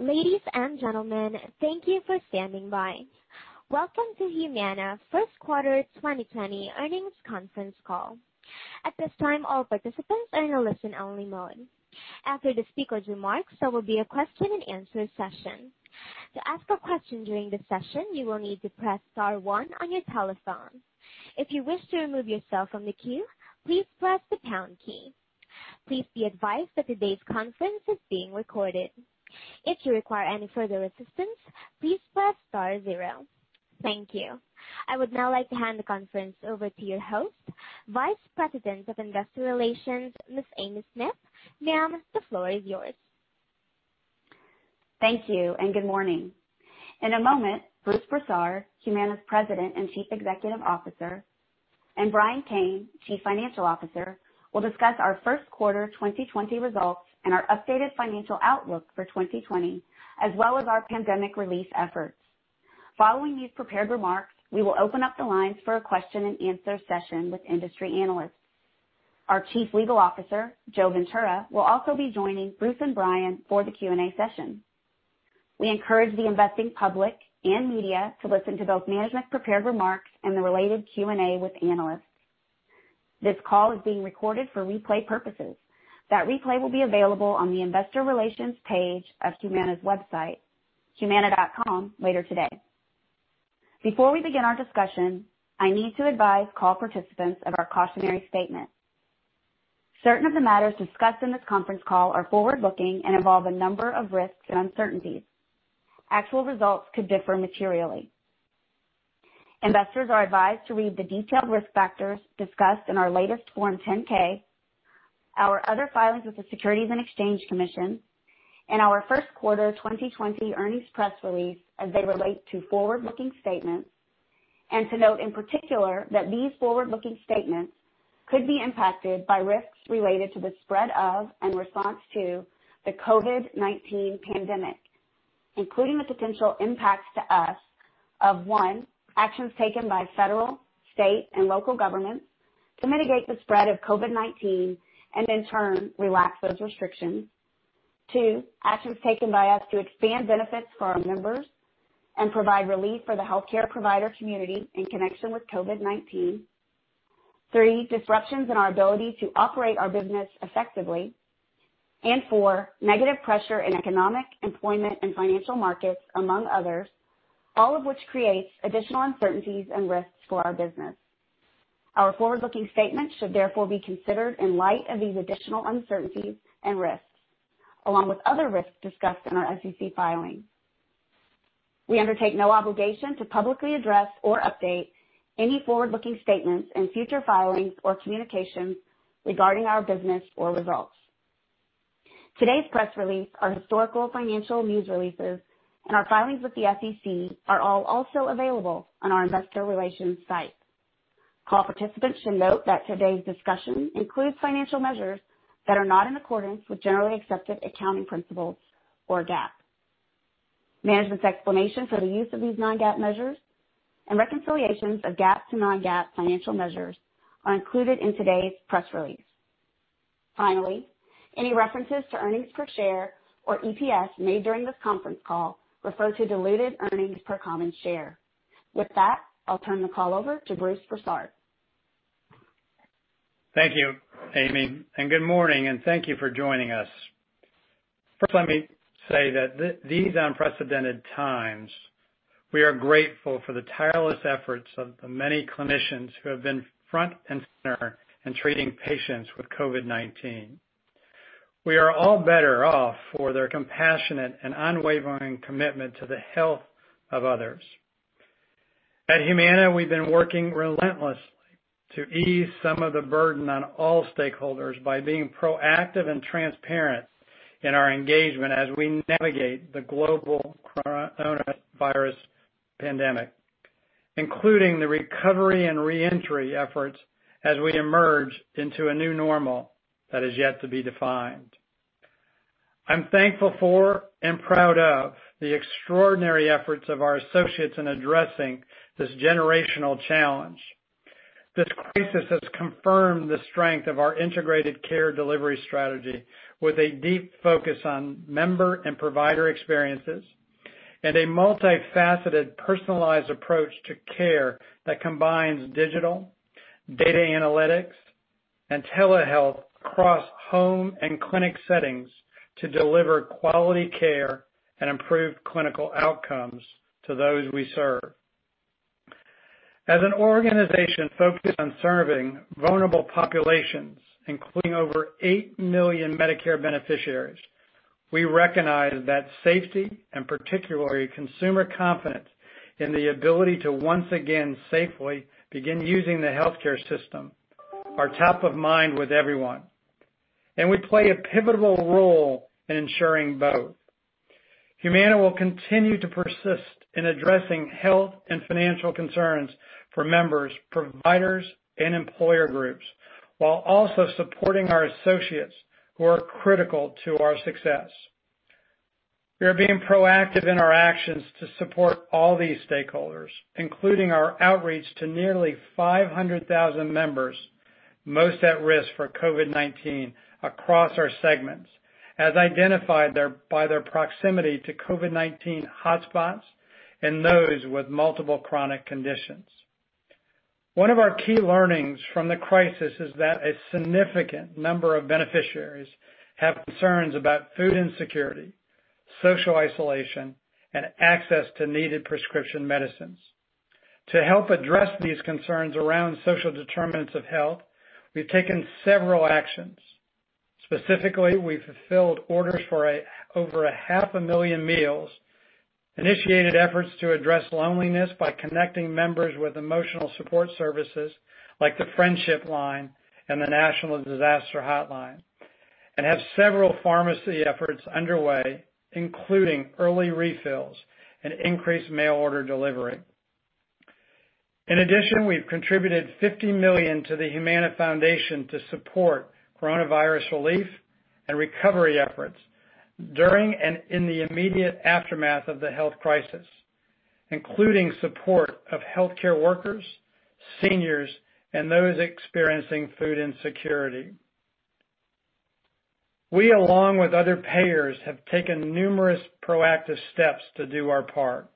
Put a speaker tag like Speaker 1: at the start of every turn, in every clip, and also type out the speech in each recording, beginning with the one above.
Speaker 1: Ladies and gentlemen, thank you for standing by. Welcome to Humana first quarter 2020 earnings conference call. At this time, all participants are in a listen-only mode. After the speaker's remarks, there will be a question and answer session. To ask a question during the session, you will need to press star one on your telephone. If you wish to remove yourself from the queue, please press the pound key. Please be advised that today's conference is being recorded. If you require any further assistance, please press star zero. Thank you. I would now like to hand the conference over to your host, Vice President of Investor Relations, Ms. Amy Smith. Ma'am, the floor is yours.
Speaker 2: Thank you and good morning. In a moment, Bruce Broussard, Humana's President and Chief Executive Officer, and Brian Kane, Chief Financial Officer, will discuss our first quarter 2020 results and our updated financial outlook for 2020, as well as our pandemic relief efforts. Following these prepared remarks, we will open up the lines for a question and answer session with industry analysts. Our Chief Legal Officer, Joseph Ventura, will also be joining Bruce and Brian for the Q&A session. We encourage the investing public and media to listen to both management prepared remarks and the related Q&A with analysts. This call is being recorded for replay purposes. That replay will be available on the investor relations page of Humana's website, humana.com later today. Before we begin our discussion, I need to advise call participants of our cautionary statement. Certain of the matters discussed in this conference call are forward-looking and involve a number of risks and uncertainties. Actual results could differ materially. Investors are advised to read the detailed risk factors discussed in our latest Form 10-K, our other filings with the Securities and Exchange Commission, and our first quarter 2020 earnings press release as they relate to forward-looking statements, and to note in particular that these forward-looking statements could be impacted by risks related to the spread of and response to the COVID-19 pandemic, including the potential impacts to us of, one, actions taken by federal, state, and local governments to mitigate the spread of COVID-19 and in turn relax those restrictions. Two, actions taken by us to expand benefits for our members and provide relief for the healthcare provider community in connection with COVID-19. Three, disruptions in our ability to operate our business effectively. Four, negative pressure in economic, employment, and financial markets, among others, all of which creates additional uncertainties and risks for our business. Our forward-looking statements should therefore be considered in light of these additional uncertainties and risks, along with other risks discussed in our SEC filings. We undertake no obligation to publicly address or update any forward-looking statements in future filings or communications regarding our business or results. Today's press release, our historical financial news releases, and our filings with the SEC are all also available on our investor relations site. Call participants should note that today's discussion includes financial measures that are not in accordance with generally accepted accounting principles, or GAAP. Management's explanation for the use of these non-GAAP measures and reconciliations of GAAP to non-GAAP financial measures are included in today's press release. Any references to earnings per share or EPS made during this conference call refer to diluted earnings per common share. With that, I'll turn the call over to Bruce Broussard.
Speaker 3: Thank you, Amy, and good morning, and thank you for joining us. First, let me say that these unprecedented times, we are grateful for the tireless efforts of the many clinicians who have been front and center in treating patients with COVID-19. We are all better off for their compassionate and unwavering commitment to the health of others. At Humana, we've been working relentlessly to ease some of the burden on all stakeholders by being proactive and transparent in our engagement as we navigate the global coronavirus pandemic, including the recovery and reentry efforts as we emerge into a new normal that is yet to be defined. I'm thankful for and proud of the extraordinary efforts of our associates in addressing this generational challenge. This crisis has confirmed the strength of our integrated care delivery strategy with a deep focus on member and provider experiences and a multifaceted, personalized approach to care that combines digital, data analytics, and telehealth across home and clinic settings to deliver quality care and improve clinical outcomes to those we serve. As an organization focused on serving vulnerable populations, including over 8 million Medicare beneficiaries, we recognize that safety and particularly consumer confidence in the ability to once again safely begin using the healthcare system are top of mind with everyone. We play a pivotal role in ensuring both. Humana will continue to persist in addressing health and financial concerns for members, providers, and employer groups while also supporting our associates who are critical to our success. We are being proactive in our actions to support all these stakeholders, including our outreach to nearly 500,000 members, most at risk for COVID-19 across our segments, as identified by their proximity to COVID-19 hotspots and those with multiple chronic conditions. One of our key learnings from the crisis is that a significant number of beneficiaries have concerns about food insecurity, social isolation, and access to needed prescription medicines. To help address these concerns around social determinants of health, we've taken several actions. Specifically, we've fulfilled orders for over 500,000 meals, initiated efforts to address loneliness by connecting members with emotional support services like the Friendship Line and the Disaster Distress Helpline, and have several pharmacy efforts underway, including early refills and increased mail order delivery. In addition, we've contributed $50 million to The Humana Foundation to support coronavirus relief and recovery efforts during and in the immediate aftermath of the health crisis, including support of healthcare workers, seniors, and those experiencing food insecurity. We, along with other payers, have taken numerous proactive steps to do our part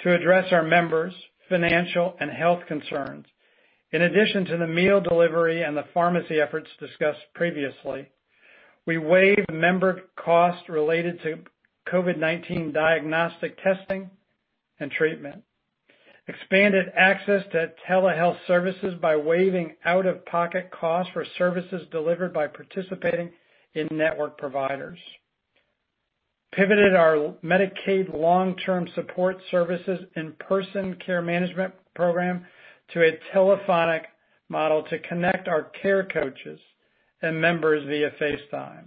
Speaker 3: to address our members' financial and health concerns. In addition to the meal delivery and the pharmacy efforts discussed previously, we waive member cost related to COVID-19 diagnostic testing and treatment, expanded access to telehealth services by waiving out-of-pocket costs for services delivered by participating in-network providers, pivoted our Medicaid long-term support services in-person care management program to a telephonic model to connect our care coaches and members via FaceTime,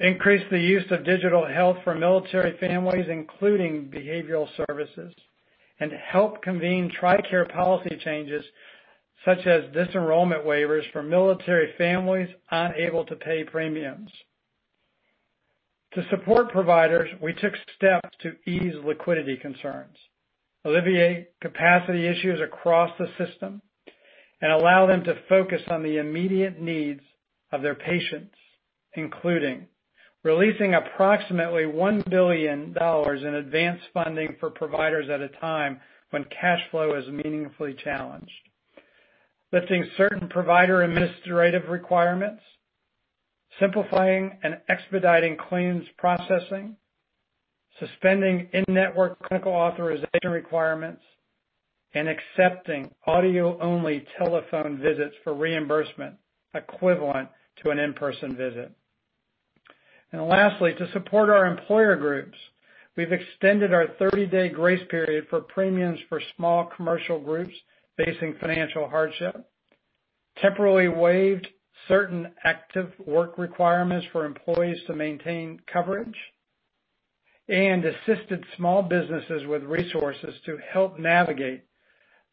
Speaker 3: increased the use of digital health for military families, including behavioral services, and helped convene TRICARE policy changes such as disenrollment waivers for military families unable to pay premiums. To support providers, we took steps to ease liquidity concerns, alleviate capacity issues across the system, and allow them to focus on the immediate needs of their patients, including releasing approximately $1 billion in advance funding for providers at a time when cash flow is meaningfully challenged, lifting certain provider administrative requirements, simplifying and expediting claims processing, suspending in-network clinical authorization requirements, and accepting audio-only telephone visits for reimbursement equivalent to an in-person visit. Lastly, to support our employer groups, we've extended our 30-day grace period for premiums for small commercial groups facing financial hardship, temporarily waived certain active work requirements for employees to maintain coverage, and assisted small businesses with resources to help navigate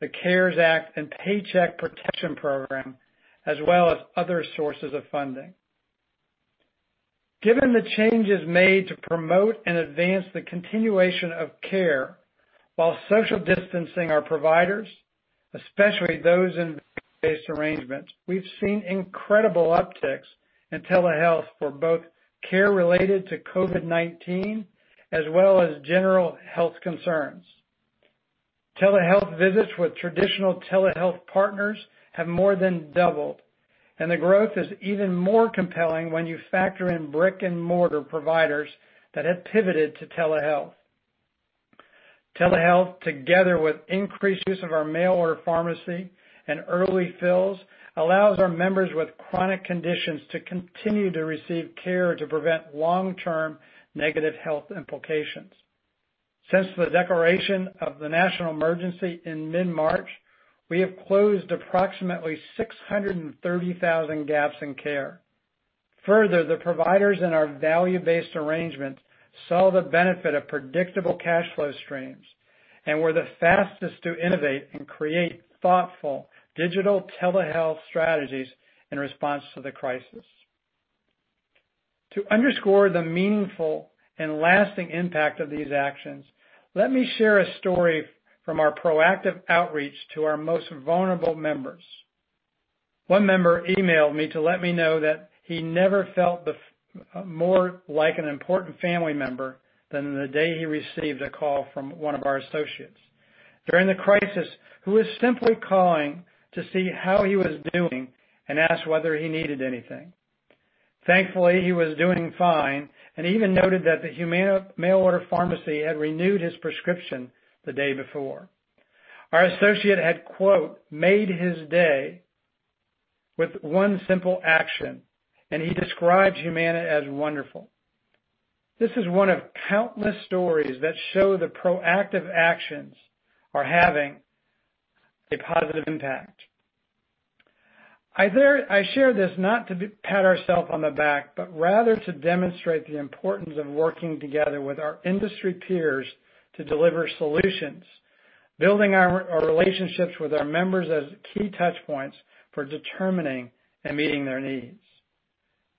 Speaker 3: the CARES Act and Paycheck Protection Program, as well as other sources of funding. Given the changes made to promote and advance the continuation of care while social distancing our providers, especially those in value-based arrangements, we've seen incredible upticks in telehealth for both care related to COVID-19 as well as general health concerns. Telehealth visits with traditional telehealth partners have more than doubled. The growth is even more compelling when you factor in brick-and-mortar providers that have pivoted to telehealth. Telehealth, together with increased use of our mail order pharmacy and early fills, allows our members with chronic conditions to continue to receive care to prevent long-term negative health implications. Since the declaration of the national emergency in mid-March, we have closed approximately 630,000 gaps in care. Further, the providers in our value-based arrangement saw the benefit of predictable cash flow streams and were the fastest to innovate and create thoughtful digital telehealth strategies in response to the crisis. To underscore the meaningful and lasting impact of these actions, let me share a story from our proactive outreach to our most vulnerable members. One member emailed me to let me know that he never felt more like an important family member than the day he received a call from one of our associates, during the crisis, who was simply calling to see how he was doing and ask whether he needed anything. Thankfully, he was doing fine and even noted that the Humana mail order pharmacy had renewed his prescription the day before. Our associate had, quote, "Made his day with one simple action," and he described Humana as wonderful. This is one of countless stories that show the proactive actions are having a positive impact. I share this not to pat ourselves on the back, but rather to demonstrate the importance of working together with our industry peers to deliver solutions. Building our relationships with our members as key touch points for determining and meeting their needs.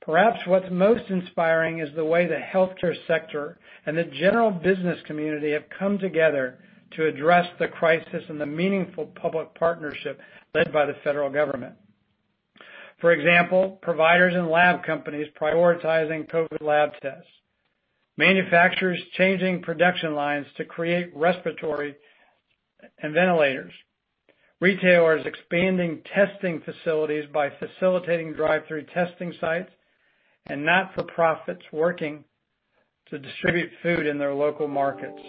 Speaker 3: Perhaps what's most inspiring is the way the healthcare sector and the general business community have come together to address the crisis and the meaningful public partnership led by the federal government. For example, providers and lab companies prioritizing COVID lab tests, manufacturers changing production lines to create respirators and ventilators, retailers expanding testing facilities by facilitating drive-thru testing sites, and not-for-profits working to distribute food in their local markets.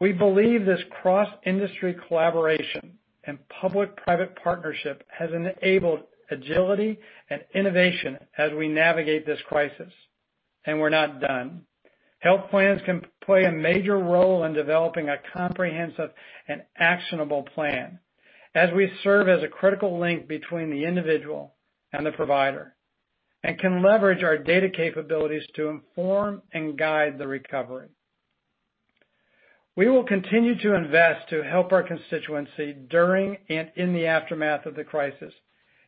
Speaker 3: We believe this cross-industry collaboration and public-private partnership has enabled agility and innovation as we navigate this crisis. We're not done. Health plans can play a major role in developing a comprehensive and actionable plan as we serve as a critical link between the individual and the provider, and can leverage our data capabilities to inform and guide the recovery. We will continue to invest to help our constituency during and in the aftermath of the crisis,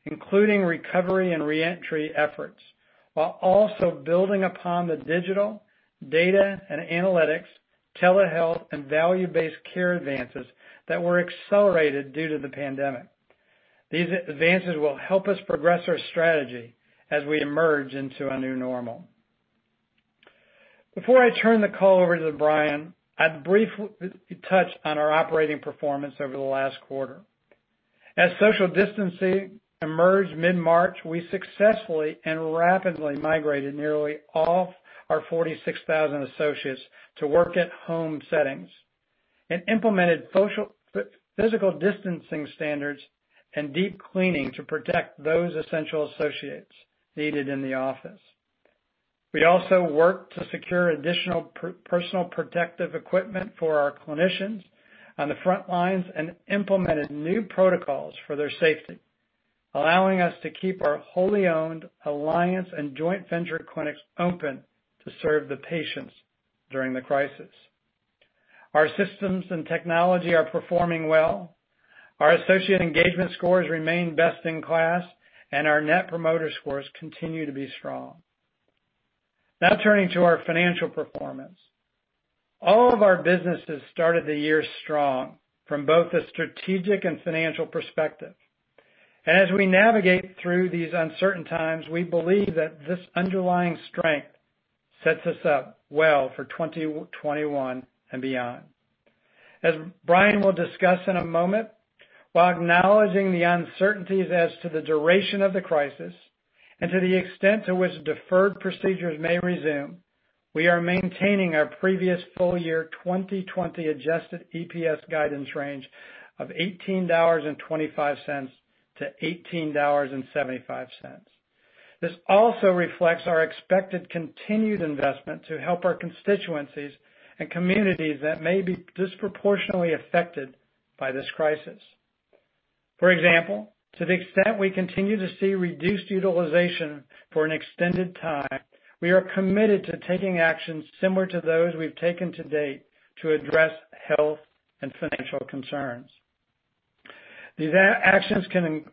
Speaker 3: including recovery and reentry efforts, while also building upon the digital data and analytics, telehealth, and value-based care advances that were accelerated due to the pandemic. These advances will help us progress our strategy as we emerge into a new normal. Before I turn the call over to Brian, I'd briefly touch on our operating performance over the last quarter. As social distancing emerged mid-March, we successfully and rapidly migrated nearly all our 46,000 associates to work-at-home settings and implemented physical distancing standards and deep cleaning to protect those essential associates needed in the office. We also worked to secure additional personal protective equipment for our clinicians on the front lines and implemented new protocols for their safety, allowing us to keep our wholly owned alliance and joint venture clinics open to serve the patients during the crisis. Our systems and technology are performing well. Our associate engagement scores remain best in class, and our net promoter scores continue to be strong. Now turning to our financial performance. All of our businesses started the year strong from both a strategic and financial perspective. As we navigate through these uncertain times, we believe that this underlying strength sets us up well for 2021 and beyond. As Brian will discuss in a moment, while acknowledging the uncertainties as to the duration of the crisis and to the extent to which deferred procedures may resume, we are maintaining our previous full year 2020 adjusted EPS guidance range of $18.25-$18.75. This also reflects our expected continued investment to help our constituencies and communities that may be disproportionately affected by this crisis. For example, to the extent we continue to see reduced utilization for an extended time, we are committed to taking actions similar to those we've taken to date to address health and financial concerns. These actions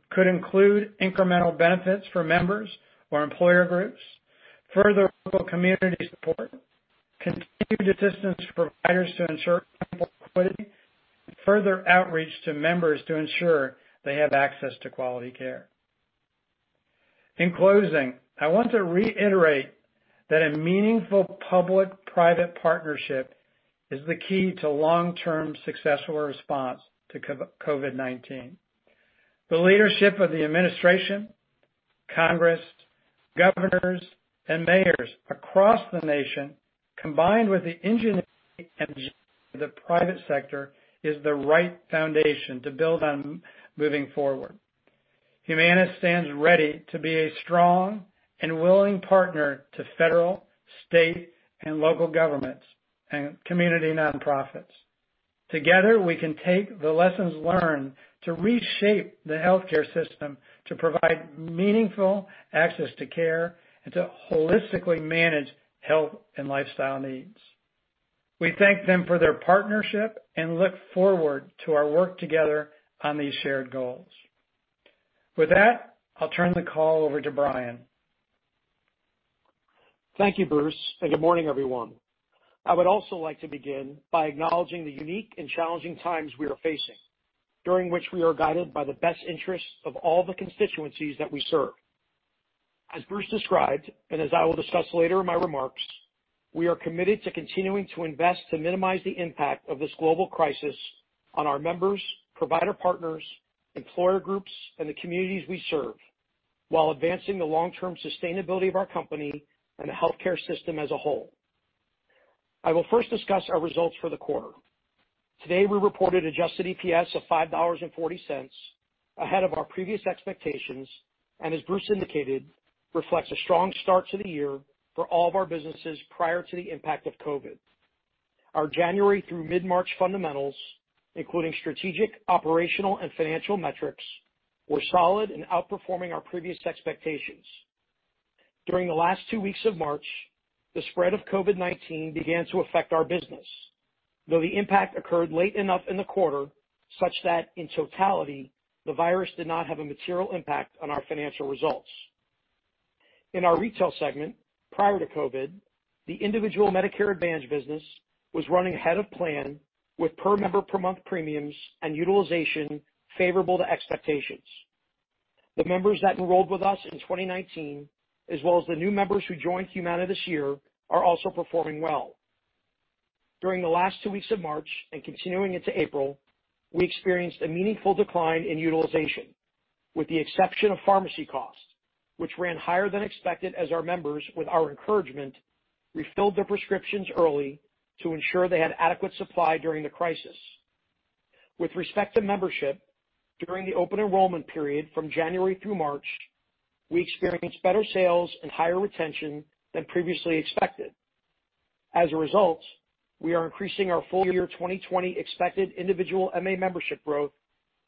Speaker 3: could include incremental benefits for members or employer groups, further local community support, continued assistance to providers to ensure affordability, and further outreach to members to ensure they have access to quality care. In closing, I want to reiterate that a meaningful public-private partnership is the key to long-term successful response to COVID-19. The leadership of the administration, Congress, governors, and mayors across the nation, combined with the ingenuity and of the private sector, is the right foundation to build on moving forward. Humana stands ready to be a strong and willing partner to federal, state, and local governments and community nonprofits. Together, we can take the lessons learned to reshape the healthcare system to provide meaningful access to care and to holistically manage health and lifestyle needs. We thank them for their partnership and look forward to our work together on these shared goals. With that, I'll turn the call over to Brian.
Speaker 4: Thank you, Bruce, and good morning, everyone. I would also like to begin by acknowledging the unique and challenging times we are facing, during which we are guided by the best interests of all the constituencies that we serve. As Bruce described, and as I will discuss later in my remarks, we are committed to continuing to invest to minimize the impact of this global crisis on our members, provider partners, employer groups, and the communities we serve while advancing the long-term sustainability of our company and the healthcare system as a whole. I will first discuss our results for the quarter. Today, we reported adjusted EPS of $5.40, ahead of our previous expectations, and as Bruce indicated, reflects a strong start to the year for all of our businesses prior to the impact of COVID. Our January through mid-March fundamentals, including strategic, operational, and financial metrics, were solid and outperforming our previous expectations. During the last two weeks of March, the spread of COVID-19 began to affect our business, though the impact occurred late enough in the quarter such that in totality, the virus did not have a material impact on our financial results. In our retail segment, prior to COVID, the individual Medicare Advantage business was running ahead of plan with per member per month premiums and utilization favorable to expectations. The members that enrolled with us in 2019, as well as the new members who joined Humana this year, are also performing well. During the last two weeks of March and continuing into April, we experienced a meaningful decline in utilization, with the exception of pharmacy costs, which ran higher than expected as our members, with our encouragement, refilled their prescriptions early to ensure they had adequate supply during the crisis. With respect to membership, during the open enrollment period from January through March, we experienced better sales and higher retention than previously expected. As a result, we are increasing our full year 2020 expected individual MA membership growth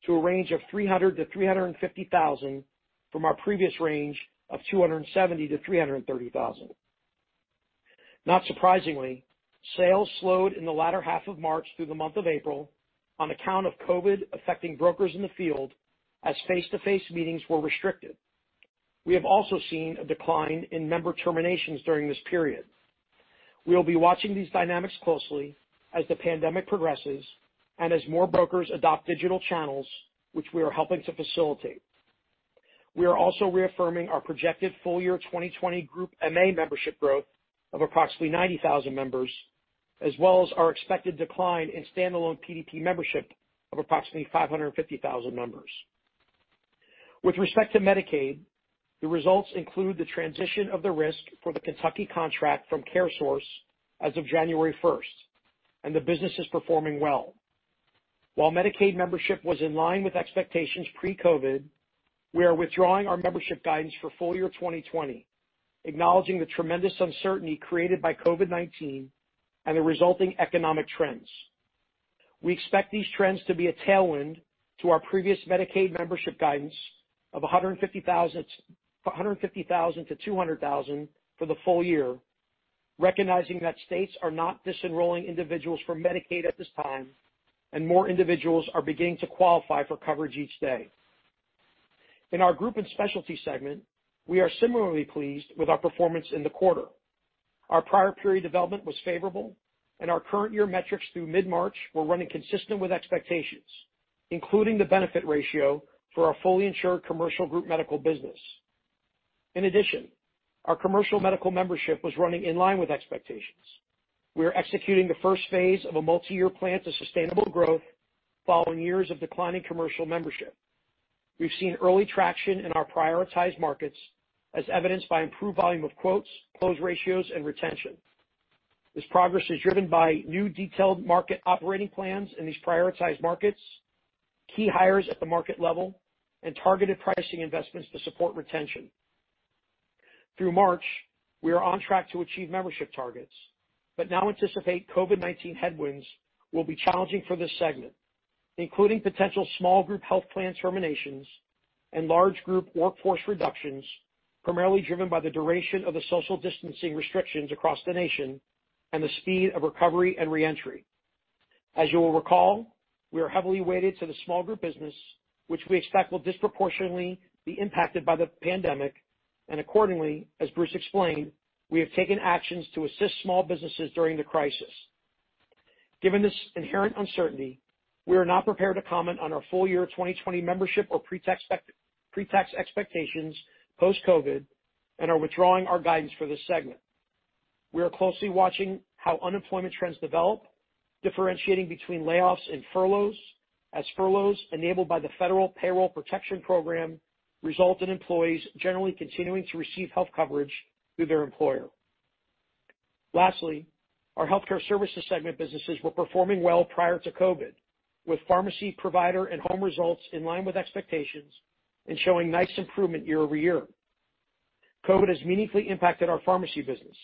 Speaker 4: to a range of 300,000-350,000 from our previous range of 270,000-330,000. Not surprisingly, sales slowed in the latter half of March through the month of April on account of COVID-19 affecting brokers in the field as face-to-face meetings were restricted. We have also seen a decline in member terminations during this period. We will be watching these dynamics closely as the pandemic progresses and as more brokers adopt digital channels, which we are helping to facilitate. We are also reaffirming our projected full year 2020 group MA membership growth of approximately 90,000 members, as well as our expected decline in standalone PDP membership of approximately 550,000 members. With respect to Medicaid, the results include the transition of the risk for the Kentucky contract from CareSource as of January 1st, and the business is performing well. While Medicaid membership was in line with expectations pre-COVID, we are withdrawing our membership guidance for full year 2020, acknowledging the tremendous uncertainty created by COVID-19 and the resulting economic trends. We expect these trends to be a tailwind to our previous Medicaid membership guidance of 150,000- 200,000 for the full year, recognizing that states are not disenrolling individuals from Medicaid at this time and more individuals are beginning to qualify for coverage each day. In our group and specialty segment, we are similarly pleased with our performance in the quarter. Our prior period development was favorable, and our current year metrics through mid-March were running consistent with expectations, including the benefit ratio for our fully insured commercial group medical business. In addition, our commercial medical membership was running in line with expectations. We are executing the first phase of a multi-year plan to sustainable growth following years of declining commercial membership. We've seen early traction in our prioritized markets, as evidenced by improved volume of quotes, close ratios, and retention. This progress is driven by new detailed market operating plans in these prioritized markets, key hires at the market level, and targeted pricing investments to support retention. Through March, we are on track to achieve membership targets, but now anticipate COVID-19 headwinds will be challenging for this segment, including potential small group health plans terminations and large group workforce reductions, primarily driven by the duration of the social distancing restrictions across the nation and the speed of recovery and re-entry. As you will recall, we are heavily weighted to the small group business, which we expect will disproportionately be impacted by the pandemic, and accordingly, as Bruce explained, we have taken actions to assist small businesses during the crisis. Given this inherent uncertainty, we are not prepared to comment on our full year 2020 membership or pre-tax expectations post-COVID and are withdrawing our guidance for this segment. We are closely watching how unemployment trends develop, differentiating between layoffs and furloughs, as furloughs enabled by the Paycheck Protection Program result in employees generally continuing to receive health coverage through their employer. Lastly, our healthcare services segment businesses were performing well prior to COVID, with pharmacy provider and home results in line with expectations and showing nice improvement year-over-year. COVID has meaningfully impacted our pharmacy business,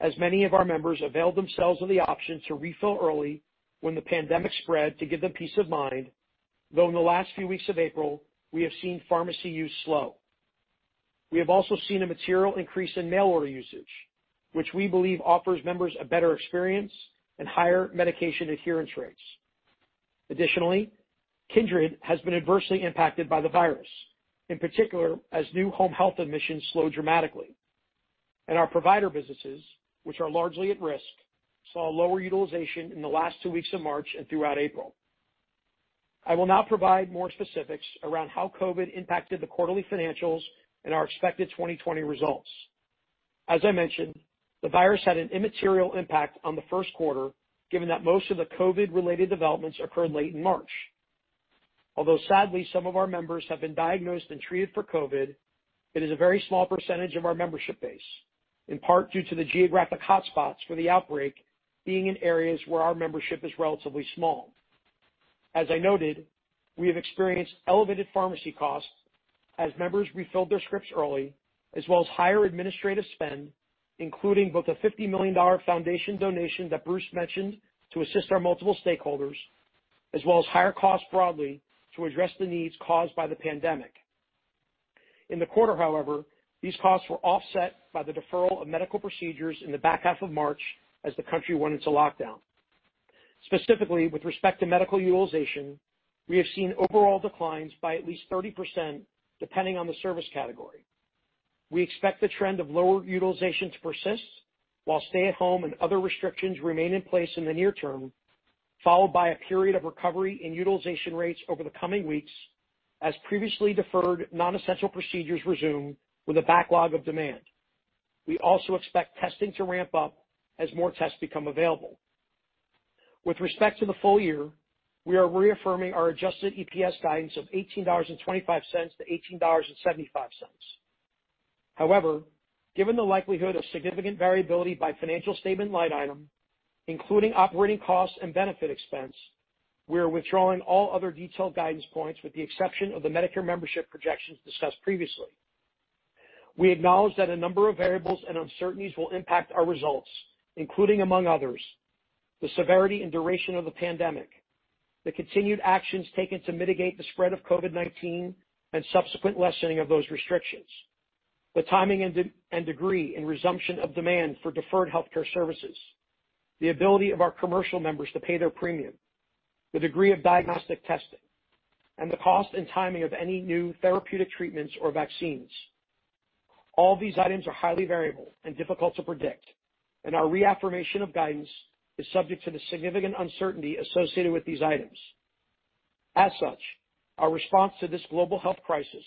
Speaker 4: as many of our members availed themselves of the option to refill early when the pandemic spread to give them peace of mind, though in the last few weeks of April, we have seen pharmacy use slow. We have also seen a material increase in mail order usage, which we believe offers members a better experience and higher medication adherence rates. Additionally, Kindred has been adversely impacted by the virus, in particular, as new home health admissions slowed dramatically. Our provider businesses, which are largely at risk, saw lower utilization in the last two weeks of March and throughout April. I will now provide more specifics around how COVID impacted the quarterly financials and our expected 2020 results. As I mentioned, the virus had an immaterial impact on the first quarter, given that most of the COVID related developments occurred late in March. Although sadly, some of our members have been diagnosed and treated for COVID, it is a very small percentage of our membership base, in part due to the geographic hotspots for the outbreak being in areas where our membership is relatively small. As I noted, we have experienced elevated pharmacy costs as members refilled their scripts early, as well as higher administrative spend, including both a $50 million Foundation donation that Bruce mentioned to assist our multiple stakeholders, as well as higher costs broadly to address the needs caused by the pandemic. In the quarter, however, these costs were offset by the deferral of medical procedures in the back half of March as the country went into lockdown. Specifically, with respect to medical utilization, we have seen overall declines by at least 30%, depending on the service category. We expect the trend of lower utilization to persist while stay-at-home and other restrictions remain in place in the near term, followed by a period of recovery in utilization rates over the coming weeks as previously deferred non-essential procedures resume with a backlog of demand. We also expect testing to ramp up as more tests become available. With respect to the full year, we are reaffirming our adjusted EPS guidance of $18.25-$18.75. Given the likelihood of significant variability by financial statement line item, including operating costs and benefit expense, we are withdrawing all other detailed guidance points, with the exception of the Medicare membership projections discussed previously. We acknowledge that a number of variables and uncertainties will impact our results, including, among others, the severity and duration of the pandemic, the continued actions taken to mitigate the spread of COVID-19, and subsequent lessening of those restrictions, the timing and degree in resumption of demand for deferred healthcare services, the ability of our commercial members to pay their premium, the degree of diagnostic testing, and the cost and timing of any new therapeutic treatments or vaccines. All these items are highly variable and difficult to predict, and our reaffirmation of guidance is subject to the significant uncertainty associated with these items. As such, our response to this global health crisis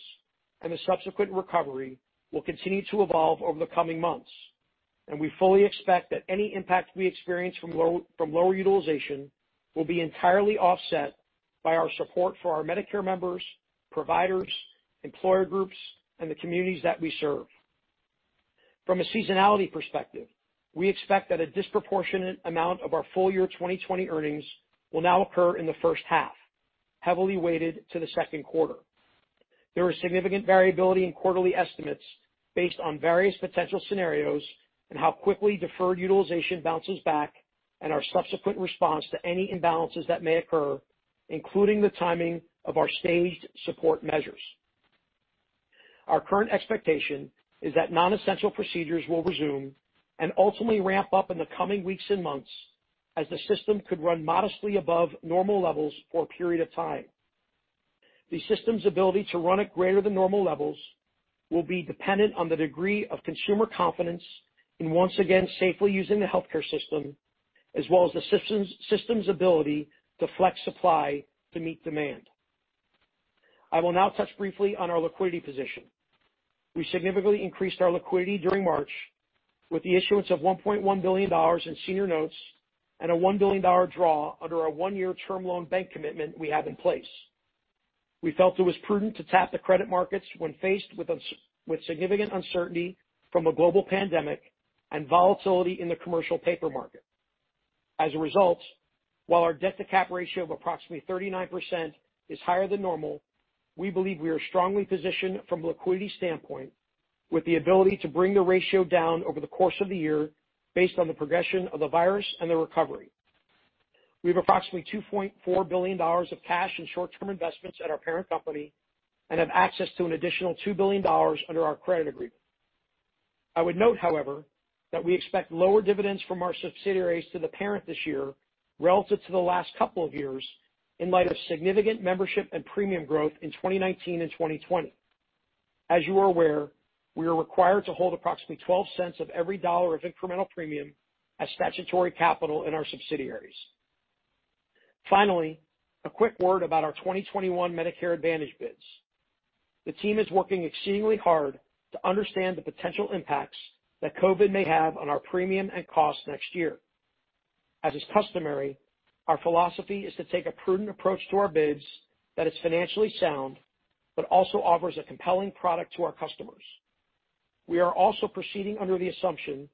Speaker 4: and the subsequent recovery will continue to evolve over the coming months, and we fully expect that any impact we experience from lower utilization will be entirely offset by our support for our Medicare members, providers, employer groups, and the communities that we serve. From a seasonality perspective, we expect that a disproportionate amount of our full year 2020 earnings will now occur in the first half, heavily weighted to the second quarter. There is significant variability in quarterly estimates based on various potential scenarios and how quickly deferred utilization bounces back, and our subsequent response to any imbalances that may occur, including the timing of our staged support measures. Our current expectation is that non-essential procedures will resume and ultimately ramp up in the coming weeks and months as the system could run modestly above normal levels for a period of time. The system's ability to run at greater than normal levels will be dependent on the degree of consumer confidence in once again safely using the healthcare system, as well as the system's ability to flex supply to meet demand. I will now touch briefly on our liquidity position. We significantly increased our liquidity during March with the issuance of $1.1 billion in senior notes and a $1 billion draw under our one-year term loan bank commitment we have in place. We felt it was prudent to tap the credit markets when faced with significant uncertainty from a global pandemic and volatility in the commercial paper market. While our debt-to-cap ratio of approximately 39% is higher than normal, we believe we are strongly positioned from a liquidity standpoint with the ability to bring the ratio down over the course of the year based on the progression of the virus and the recovery. We have approximately $2.4 billion of cash and short-term investments at our parent company and have access to an additional $2 billion under our credit agreement. I would note, however, that we expect lower dividends from our subsidiaries to the parent this year relative to the last couple of years in light of significant membership and premium growth in 2019 and 2020. As you are aware, we are required to hold approximately $0.12 of every dollar of incremental premium as statutory capital in our subsidiaries. A quick word about our 2021 Medicare Advantage bids. The team is working exceedingly hard to understand the potential impacts that COVID may have on our premium and costs next year. As is customary, our philosophy is to take a prudent approach to our bids that is financially sound but also offers a compelling product to our customers. We are also proceeding under the assumption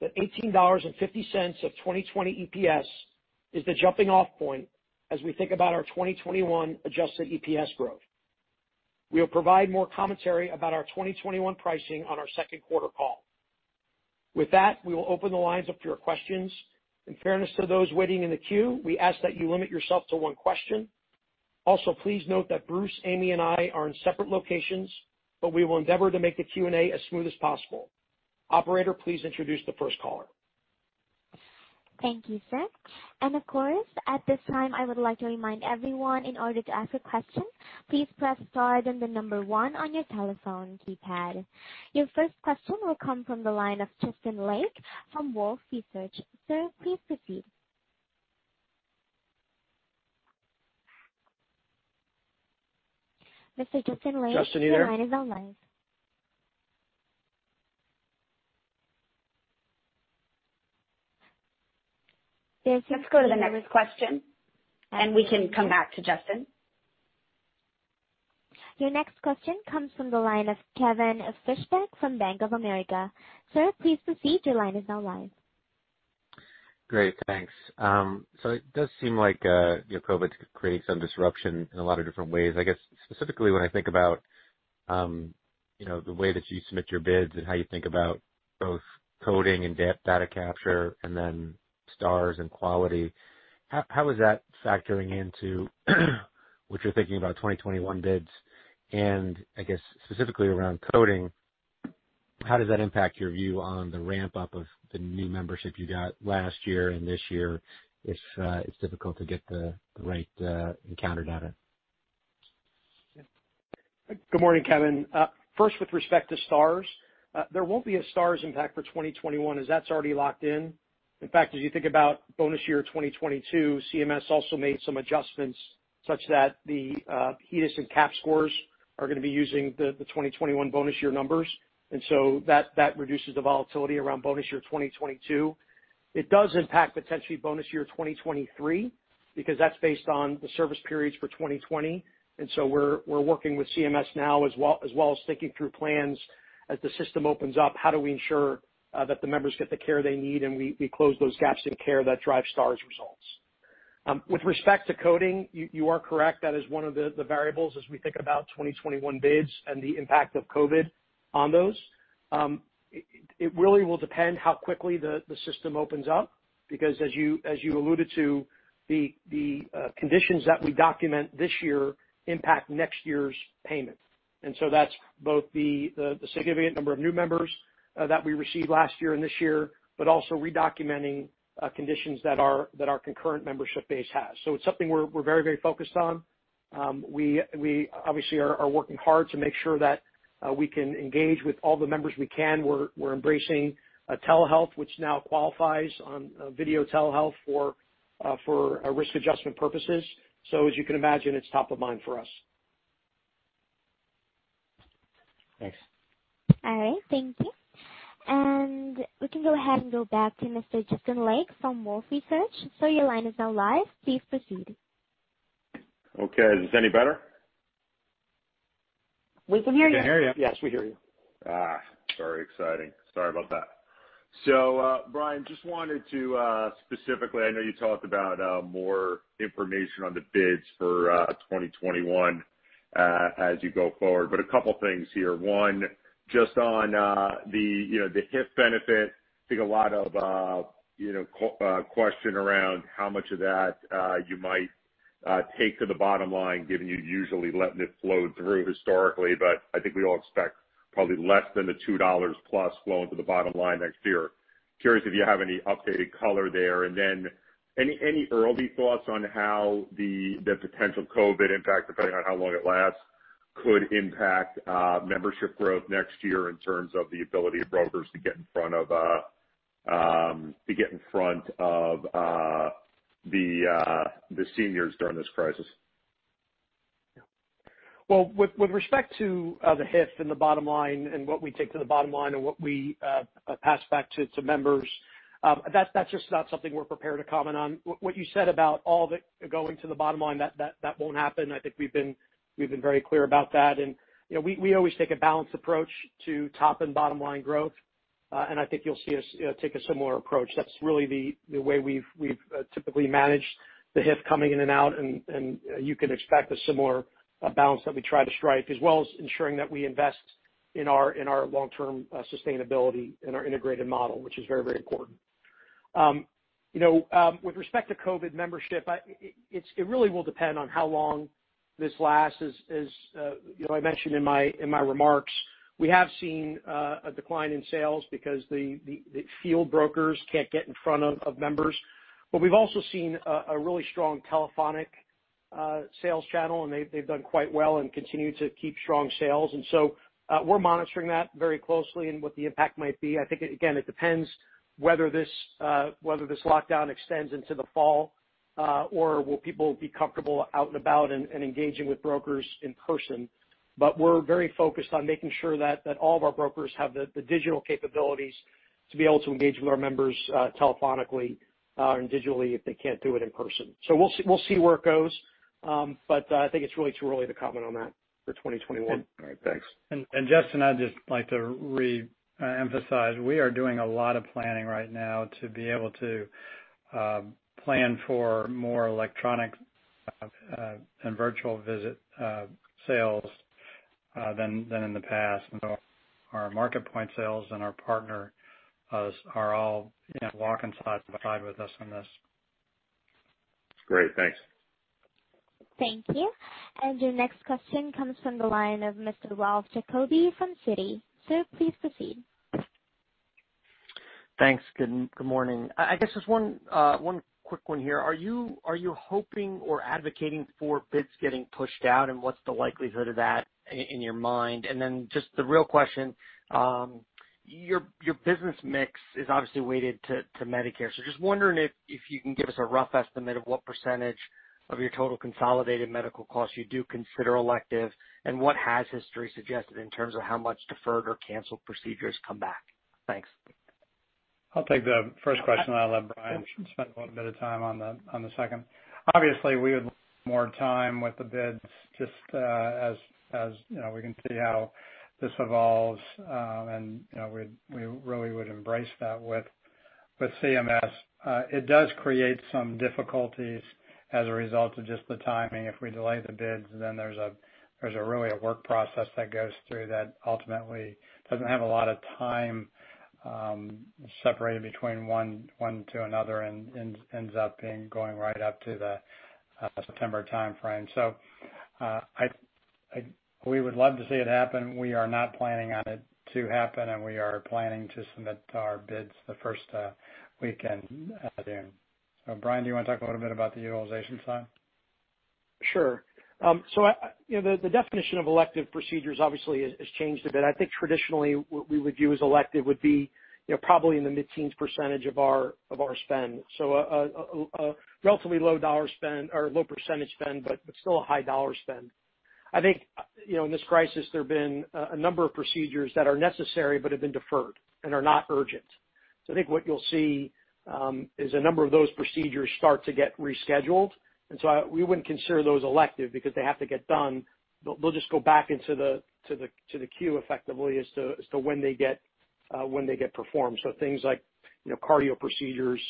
Speaker 4: that $18.50 of 2020 EPS is the jumping-off point as we think about our 2021 adjusted EPS growth. We will provide more commentary about our 2021 pricing on our second quarter call. With that, we will open the lines up to your questions. In fairness to those waiting in the queue, we ask that you limit yourself to one question. Also, please note that Bruce, Amy, and I are in separate locations, but we will endeavor to make the Q&A as smooth as possible. Operator, please introduce the first caller.
Speaker 1: Thank you, sir. Of course, at this time, I would like to remind everyone in order to ask a question, please press star, then the number one on your telephone keypad. Your first question will come from the line of Justin Lake from Wolfe Research. Sir, please proceed. Mr. Justin Lake.
Speaker 4: Justin, are you there?
Speaker 1: Your line is on line.
Speaker 2: Let's go to the next question, and we can come back to Justin.
Speaker 1: Your next question comes from the line of Kevin Fischbeck from Bank of America. Sir, please proceed. Your line is now live.
Speaker 5: Great. Thanks. It does seem like COVID could create some disruption in a lot of different ways, I guess specifically when I think about. You know, the way that you submit your bids and how you think about both coding and data capture and then stars and quality, how is that factoring into what you're thinking about 2021 bids? I guess specifically around coding, how does that impact your view on the ramp-up of the new membership you got last year and this year if it's difficult to get the right encounter data?
Speaker 4: Good morning, Kevin. First, with respect to stars, there won't be a stars impact for 2021 as that's already locked in. In fact, as you think about bonus year 2022, CMS also made some adjustments such that the HEDIS and CAHPS scores are going to be using the 2021 bonus year numbers. That reduces the volatility around bonus year 2022. It does impact potentially bonus year 2023, because that's based on the service periods for 2020. We're working with CMS now as well as thinking through plans as the system opens up, how do we ensure that the members get the care they need, and we close those gaps in care that drive stars results. With respect to coding, you are correct. That is one of the variables as we think about 2021 bids and the impact of COVID on those. It really will depend how quickly the system opens up, because as you alluded to, the conditions that we document this year impact next year's payment. That's both the significant number of new members that we received last year and this year, but also redocumenting conditions that our concurrent membership base has. It's something we're very focused on. We obviously are working hard to make sure that we can engage with all the members we can. We're embracing telehealth, which now qualifies on video telehealth for risk adjustment purposes. As you can imagine, it's top of mind for us.
Speaker 5: Thanks.
Speaker 1: All right. Thank you. We can go ahead and go back to Mr. Justin Lake from Wolfe Research. Sir, your line is now live. Please proceed.
Speaker 6: Okay. Is this any better?
Speaker 2: We can hear you.
Speaker 4: We can hear you.
Speaker 3: Yes, we hear you.
Speaker 6: Very exciting. Sorry about that. Brian, just wanted to specifically, I know you talked about more information on the bids for 2021 as you go forward, a couple things here. One, just on the HIF benefit, I think a lot of question around how much of that you might take to the bottom line, given you usually letting it flow through historically. I think we all expect probably less than the $2+ flowing to the bottom line next year. Curious if you have any updated color there. Then, any early thoughts on how the potential COVID-19 impact, depending on how long it lasts, could impact membership growth next year in terms of the ability of brokers to get in front of the seniors during this crisis?
Speaker 4: Well, with respect to the HIF and the bottom line and what we take to the bottom line and what we pass back to members, that's just not something we're prepared to comment on. What you said about all that going to the bottom line, that won't happen. I think we've been very clear about that. We always take a balanced approach to top and bottom-line growth, and I think you'll see us take a similar approach. That's really the way we've typically managed the HIF coming in and out, and you can expect a similar balance that we try to strike, as well as ensuring that we invest in our long-term sustainability in our integrated model, which is very important. With respect to COVID membership, it really will depend on how long this lasts. As I mentioned in my remarks, we have seen a decline in sales because the field brokers can't get in front of members. We've also seen a really strong telephonic sales channel, and they've done quite well and continue to keep strong sales. We're monitoring that very closely and what the impact might be. I think, again, it depends whether this lockdown extends into the fall, or will people be comfortable out and about and engaging with brokers in person. We're very focused on making sure that all of our brokers have the digital capabilities to be able to engage with our members telephonically and digitally if they can't do it in person. We'll see where it goes, but I think it's really too early to comment on that for 2021.
Speaker 6: All right. Thanks.
Speaker 3: Justin, I'd just like to reemphasize, we are doing a lot of planning right now to be able to plan for more electronic and virtual visit sales than in the past. Our Humana MarketPoint sales and our partners are all walking side by side with us on this.
Speaker 6: Great. Thanks.
Speaker 1: Thank you. Your next question comes from the line of Mr. Ralph Giacobbe from Citi. Sir, please proceed.
Speaker 7: Thanks. Good morning. I guess just one quick one here. Are you hoping or advocating for bids getting pushed out, and what's the likelihood of that in your mind? Just the real question, your business mix is obviously weighted to Medicare. Just wondering if you can give us a rough estimate of what percentage of your total consolidated medical costs you do consider elective, and what has history suggested in terms of how much deferred or canceled procedures come back? Thanks.
Speaker 3: I'll take the first question, and I'll let Brian spend a little bit of time on the second. Obviously, we would love more time with the bids, just as we can see how this evolves, and we really would embrace that with CMS. It does create some difficulties as a result of just the timing. If we delay the bids, then there's really a work process that goes through that ultimately doesn't have a lot of time separated between one to another, and ends up going right up to the September timeframe. We would love to see it happen. We are not planning on it to happen, and we are planning to submit our bids the first week in June. Brian, do you want to talk a little bit about the utilization side?
Speaker 4: Sure. The definition of elective procedures obviously has changed a bit. I think traditionally what we would view as elective would be probably in the mid-teens percentage of our spend. A relatively low dollar spend or low percentage spend, but still a high dollar spend. I think, in this crisis, there have been a number of procedures that are necessary but have been deferred and are not urgent. I think what you'll see is a number of those procedures start to get rescheduled, we wouldn't consider those elective because they have to get done. They'll just go back into the queue effectively as to when they get performed. Things like cardio procedures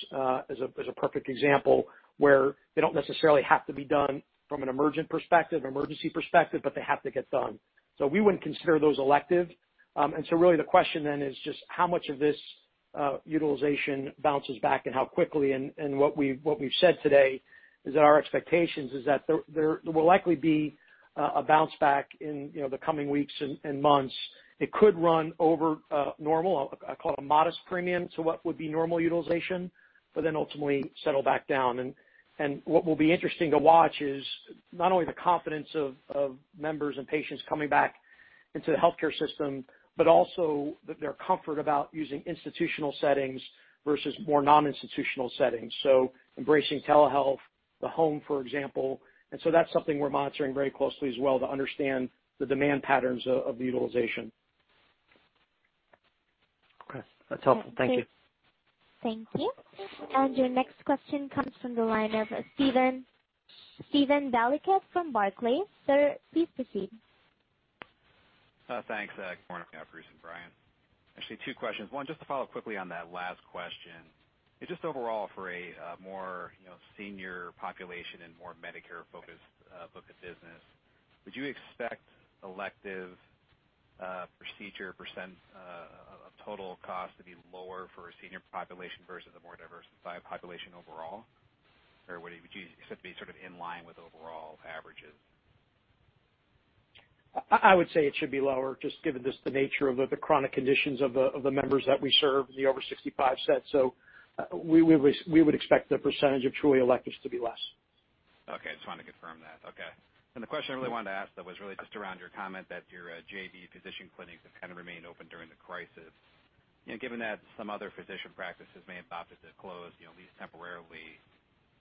Speaker 4: as a perfect example, where they don't necessarily have to be done from an emergent perspective, emergency perspective, but they have to get done. We wouldn't consider those elective. Really the question then is just how much of this utilization bounces back and how quickly. What we've said today is that our expectations is that there will likely be a bounce back in the coming weeks and months. It could run over normal. I call it a modest premium to what would be normal utilization. Ultimately settle back down. What will be interesting to watch is not only the confidence of members and patients coming back into the healthcare system, but also their comfort about using institutional settings versus more non-institutional settings. Embracing telehealth, the home, for example. That's something we're monitoring very closely as well to understand the demand patterns of utilization.
Speaker 7: Okay. That's helpful. Thank you.
Speaker 1: Thank you. Your next question comes from the line of Steven Valiquette from Barclays. Sir, please proceed.
Speaker 8: Thanks. Good morning, Bruce and Brian. Actually, two questions. One, just to follow up quickly on that last question. Just overall for a more senior population and more Medicare-focused business, would you expect elective procedure % of total cost to be lower for a senior population versus a more diverse population overall? Would you expect to be sort of in line with overall averages?
Speaker 4: I would say it should be lower, just given the nature of the chronic conditions of the members that we serve, the over 65 set. We would expect the percentage of truly electives to be less.
Speaker 8: Okay. Just wanted to confirm that. Okay. The question I really wanted to ask though was really just around your comment that your JV physician clinics have kind of remained open during the crisis. Given that some other physician practices may have opted to close, at least temporarily,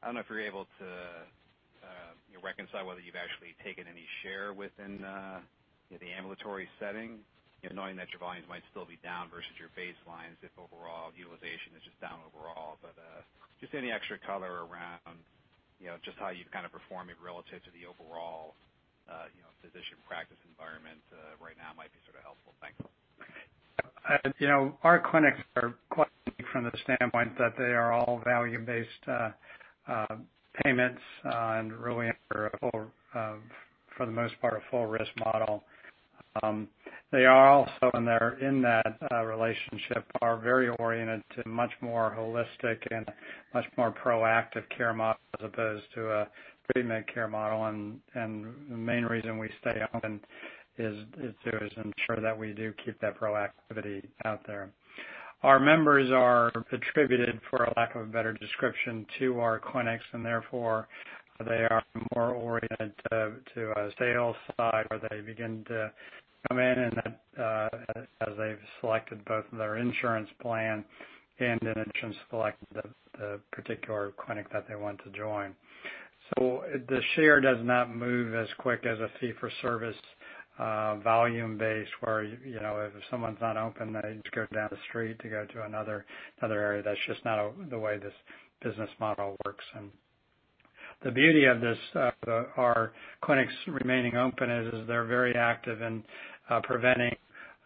Speaker 8: I don't know if you're able to reconcile whether you've actually taken any share within the ambulatory setting, knowing that your volumes might still be down versus your baselines if overall utilization is just down overall. Just any extra color around just how you've kind of performed relative to the overall physician practice environment right now might be sort of helpful. Thanks.
Speaker 3: Our clinics are from the standpoint that they are all value-based payments, and really for the most part, a full risk model. They are also in that relationship, are very oriented to much more holistic and much more proactive care models as opposed to a treatment care model, and the main reason we stay open is to ensure that we do keep that proactivity out there. Our members are attributed, for a lack of a better description, to our clinics, and therefore, they are more oriented to a sales side where they begin to come in, and as they've selected both their insurance plan and in turn selected the particular clinic that they want to join. The share does not move as quick as a fee for service volume-based, where if someone's not open, they just go down the street to go to another area. That's just not the way this business model works. The beauty of our clinics remaining open is they're very active in preventing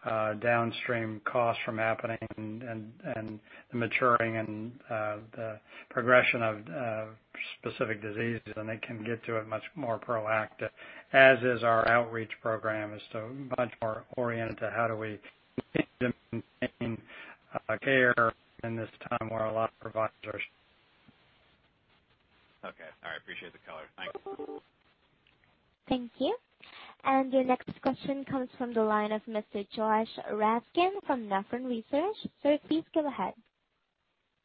Speaker 3: downstream costs from happening and the maturing and the progression of specific diseases, and they can get to it much more proactive, as is our outreach program is much more oriented to how do we care in this time where a lot of providers.
Speaker 8: Okay. All right. Appreciate the color. Thanks.
Speaker 1: Thank you. Your next question comes from the line of Mr. Josh Raskin from Nephron Research. Sir, please go ahead.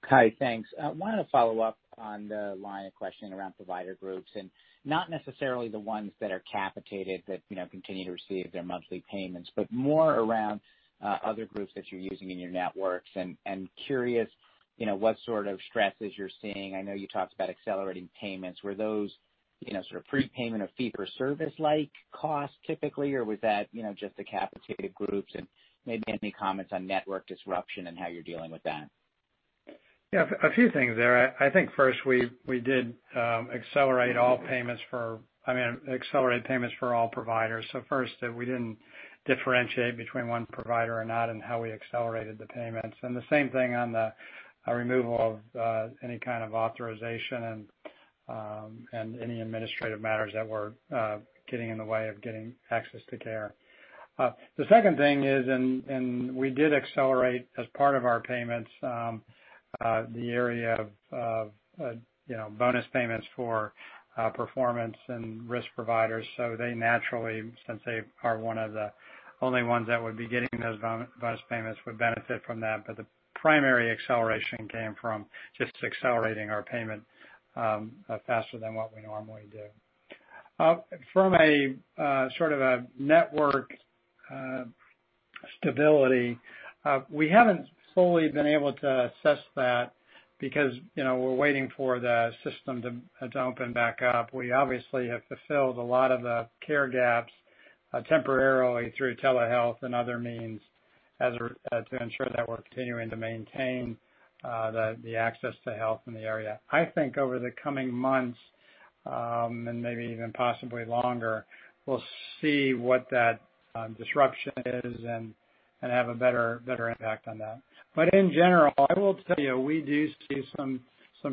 Speaker 9: Hi. Thanks. I wanted to follow up on the line of questioning around provider groups, and not necessarily the ones that are capitated that continue to receive their monthly payments, but more around other groups that you're using in your networks, and curious what sort of stresses you're seeing. I know you talked about accelerating payments. Were those sort of prepayment of fee for service-like costs typically, or was that just the capitated groups? Maybe any comments on network disruption and how you're dealing with that.
Speaker 3: Yeah. A few things there. I think first, we did accelerate payments for all providers. First, we didn't differentiate between one provider or not in how we accelerated the payments, and the same thing on the removal of any kind of authorization and any administrative matters that were getting in the way of getting access to care. The second thing is, we did accelerate as part of our payments, the area of bonus payments for performance and risk providers. They naturally, since they are one of the only ones that would be getting those bonus payments, would benefit from that. The primary acceleration came from just accelerating our payment faster than what we normally do. From a network stability, we haven't fully been able to assess that because we're waiting for the system to open back up. We obviously have fulfilled a lot of the care gaps temporarily through telehealth and other means to ensure that we're continuing to maintain the access to health in the area. I think over the coming months, and maybe even possibly longer, we'll see what that disruption is and have a better impact on that. In general, I will tell you, we do see some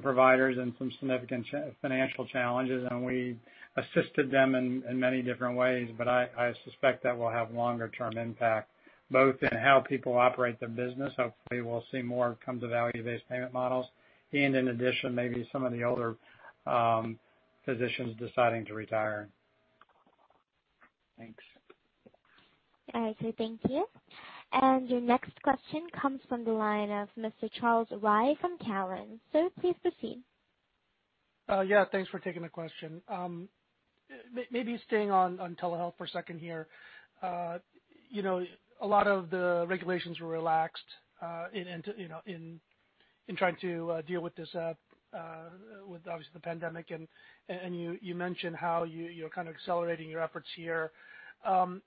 Speaker 3: providers and some significant financial challenges, and we assisted them in many different ways. I suspect that will have longer-term impact, both in how people operate their business. Hopefully, we'll see more come to value-based payment models. In addition, maybe some of the older physicians deciding to retire.
Speaker 9: Thanks.
Speaker 1: All right. Thank you. Your next question comes from the line of Mr. Charles Rhyee from Cowen. Please proceed.
Speaker 10: Thanks for taking the question. Maybe staying on telehealth for a second here. A lot of the regulations were relaxed in trying to deal with, obviously, the pandemic, and you mentioned how you're kind of accelerating your efforts here.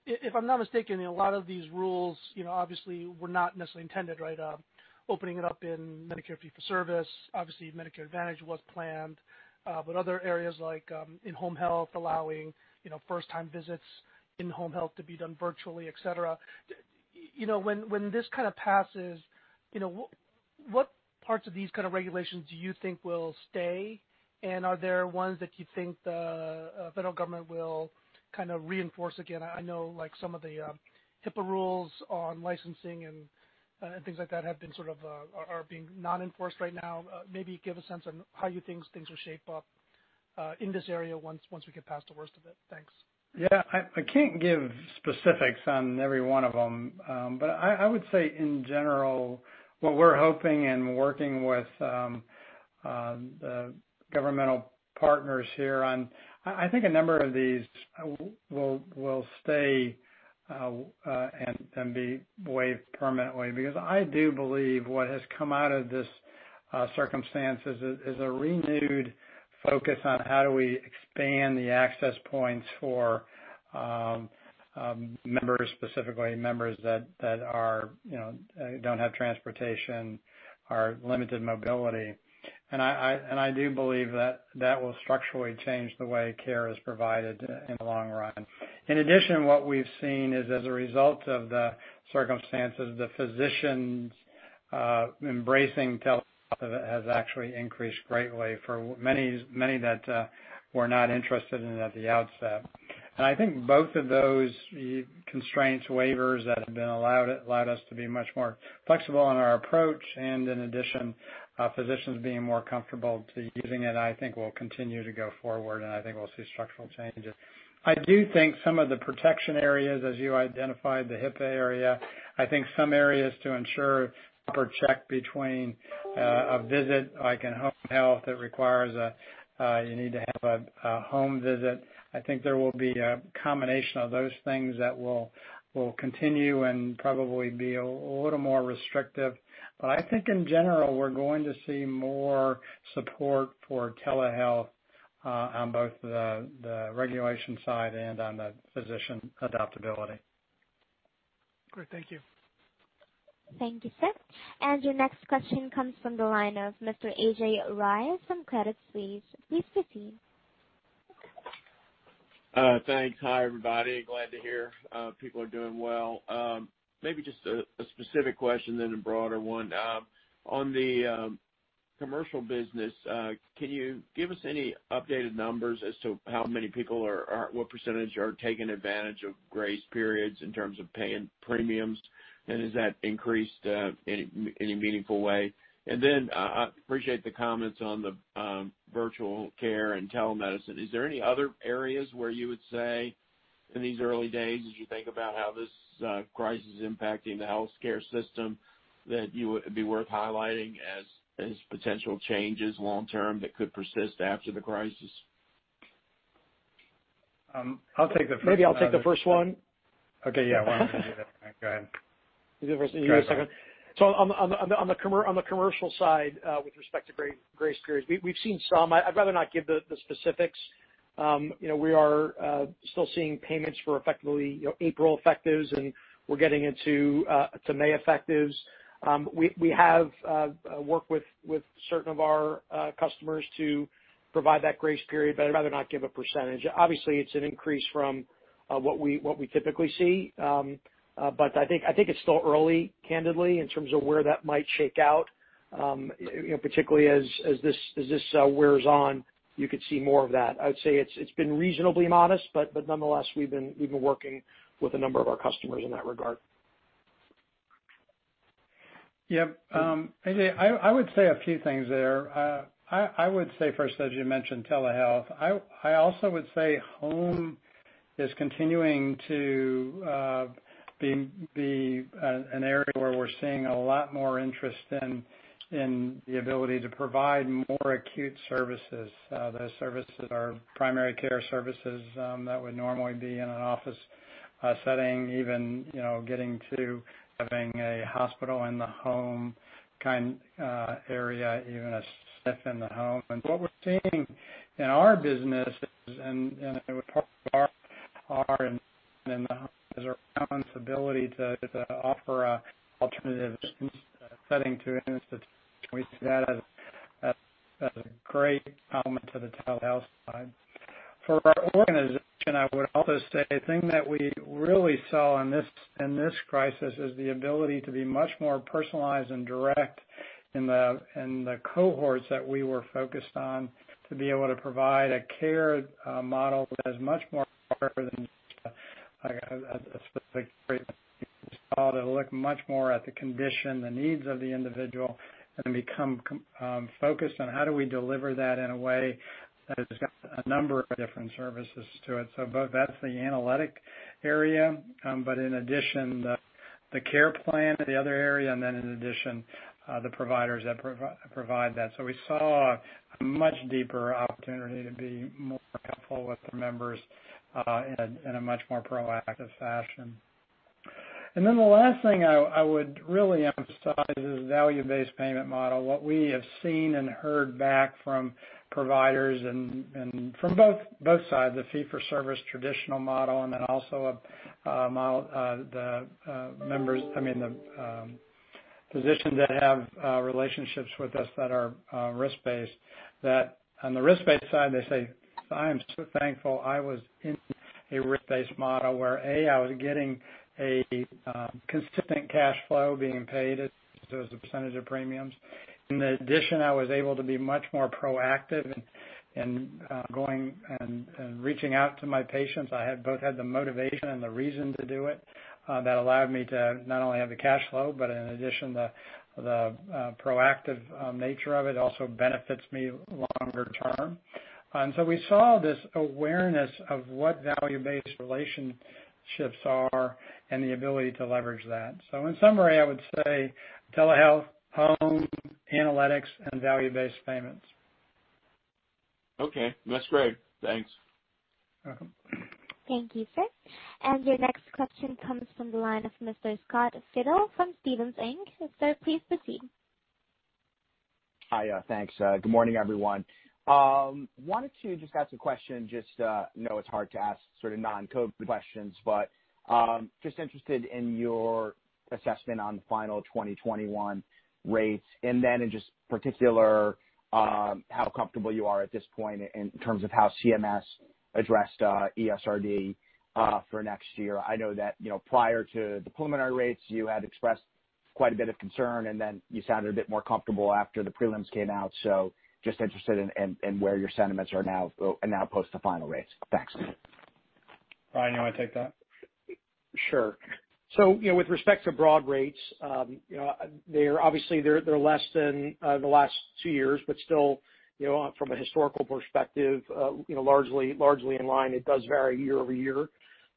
Speaker 10: If I'm not mistaken, a lot of these rules obviously were not necessarily intended, right? Opening it up in Medicare fee-for-service. Obviously, Medicare Advantage was planned. Other areas like in-home health, allowing first-time visits in-home health to be done virtually, et cetera. When this kind of passes, what parts of these kind of regulations do you think will stay? Are there ones that you think the federal government will kind of reinforce again? I know some of the HIPAA rules on licensing and things like that are being non-enforced right now. Maybe give a sense on how you think things will shape up in this area once we get past the worst of it. Thanks.
Speaker 3: Yeah. I can't give specifics on every one of them. I would say in general, what we're hoping and working with governmental partners here on, I think a number of these will stay and be waived permanently, because I do believe what has come out of this circumstance is a renewed focus on how do we expand the access points for members, specifically members that don't have transportation, are limited mobility. I do believe that that will structurally change the way care is provided in the long run. In addition, what we've seen is as a result of the circumstances, the physicians embracing telehealth has actually increased greatly for many that were not interested in it at the outset. I think both of those constraints, waivers that have been allowed us to be much more flexible in our approach. In addition, physicians being more comfortable to using it, I think will continue to go forward, and I think we'll see structural changes. I do think some of the protection areas, as you identified, the HIPAA area, I think some areas to ensure proper check between a visit, like in home health, it requires you need to have a home visit. I think there will be a combination of those things that will continue and probably be a little more restrictive. I think in general, we're going to see more support for telehealth, on both the regulation side and on the physician adaptability.
Speaker 10: Great. Thank you.
Speaker 1: Thank you, sir. Your next question comes from the line of Mr. A.J. Rice from Credit Suisse. Please proceed.
Speaker 11: Thanks. Hi, everybody. Glad to hear people are doing well. Maybe just a specific question, then a broader one. On the commercial business, can you give us any updated numbers as to how many people, or what percentage are taking advantage of grace periods in terms of paying premiums, and has that increased in any meaningful way? I appreciate the comments on the virtual care and telemedicine. Is there any other areas where you would say in these early days, as you think about how this crisis is impacting the healthcare system, that would be worth highlighting as potential changes long term that could persist after the crisis?
Speaker 3: I'll take the first one.
Speaker 4: Maybe I'll take the first one.
Speaker 3: Okay. Yeah. Why don't you do that? Go ahead.
Speaker 4: You go second.
Speaker 3: Sure.
Speaker 4: On the commercial side, with respect to grace periods, we've seen some. I'd rather not give the specifics. We are still seeing payments for effectively April effectives, and we're getting into May effectives. We have worked with certain of our customers to provide that grace period, but I'd rather not give a percentage. Obviously, it's an increase from what we typically see. I think it's still early, candidly, in terms of where that might shake out. Particularly as this wears on, you could see more of that. I would say it's been reasonably modest, but nonetheless, we've been working with a number of our customers in that regard.
Speaker 3: Yep. A.J., I would say a few things there. I would say first, as you mentioned, telehealth. I also would say home is continuing to be an area where we're seeing a lot more interest in the ability to provide more acute services. Those services are primary care services that would normally be in an office setting, even getting to having a hospital in the home kind of area, even a SNF in the home. What we're seeing in our business is, and I would our responsibility to offer a alternative setting to an institution. We see that as a great element to the telehealth side. For our organization, I would also say the thing that we really saw in this crisis is the ability to be much more personalized and direct in the cohorts that we were focused on to be able to provide a care model that is much more to look much more at the condition, the needs of the individual, and then become focused on how do we deliver that in a way that has got a number of different services to it. Both, that's the analytic area, but in addition, the care plan of the other area, and then in addition, the providers that provide that. We saw a much deeper opportunity to be more helpful with the members in a much more proactive fashion. The last thing I would really emphasize is value-based payment model. What we have seen and heard back from providers, and from both sides, the fee-for-service traditional model, and then also the physicians that have relationships with us that are risk-based, that on the risk-based side, they say, "I am so thankful I was in a risk-based model where, A, I was getting a consistent cash flow being paid as a percentage of premiums. In addition, I was able to be much more proactive in going and reaching out to my patients. I had both had the motivation and the reason to do it. That allowed me to not only have the cash flow, but in addition, the proactive nature of it also benefits me longer term." We saw this awareness of what value-based relationships are and the ability to leverage that. In summary, I would say telehealth, home, analytics, and value-based payments.
Speaker 11: Okay. That's great. Thanks.
Speaker 3: Welcome.
Speaker 1: Thank you, sir. Your next question comes from the line of Mr. Scott Fidel from Stephens Inc. Sir, please proceed.
Speaker 12: Hi. Thanks. Good morning, everyone. Wanted to just ask a question, just know it's hard to ask sort of non-COVID-19 questions. Just interested in your assessment on final 2021 rates. In just particular, how comfortable you are at this point in terms of how CMS addressed ESRD for next year. I know that prior to the preliminary rates, you had expressed quite a bit of concern. You sounded a bit more comfortable after the prelims came out. Just interested in where your sentiments are now post the final rates. Thanks.
Speaker 3: Brian, you want to take that?
Speaker 4: Sure. With respect to broad rates, obviously they're less than the last two years, but still from a historical perspective, largely in line. It does vary year-over-year.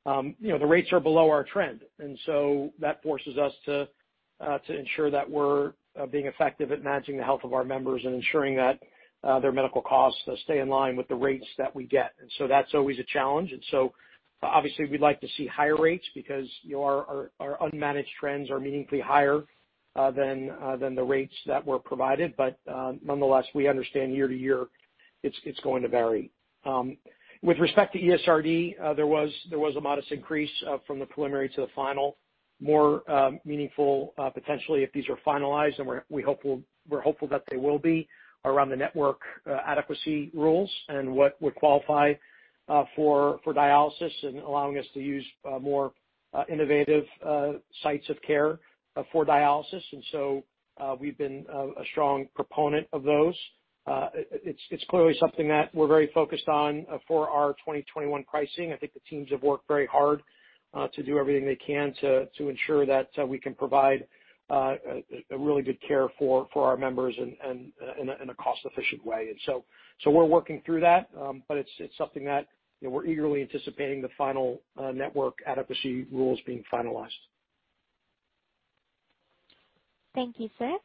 Speaker 4: The rates are below our trend, that forces us to ensure that we're being effective at managing the health of our members and ensuring that their medical costs stay in line with the rates that we get. That's always a challenge. Obviously we'd like to see higher rates because our unmanaged trends are meaningfully higher than the rates that were provided. Nonetheless, we understand year-to-year, it's going to vary. With respect to ESRD, there was a modest increase from the preliminary to the final. More meaningful potentially if these are finalized, and we're hopeful that they will be, around the network adequacy rules and what would qualify for dialysis and allowing us to use more innovative sites of care for dialysis. We've been a strong proponent of those. It's clearly something that we're very focused on for our 2021 pricing. I think the teams have worked very hard to do everything they can to ensure that we can provide really good care for our members and in a cost-efficient way. We're working through that. It's something that we're eagerly anticipating the final network adequacy rules being finalized.
Speaker 1: Thank you, sir.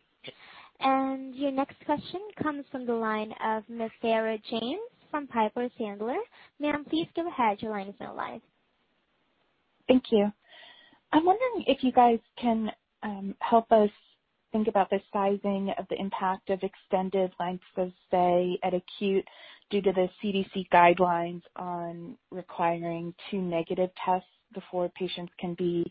Speaker 1: Your next question comes from the line of Ms. Sarah James from Piper Sandler. Ma'am, please go ahead. Your line is now live.
Speaker 13: Thank you. I'm wondering if you guys can help us think about the sizing of the impact of extended lengths of stay at acute due to the CDC guidelines on requiring two negative tests before patients can be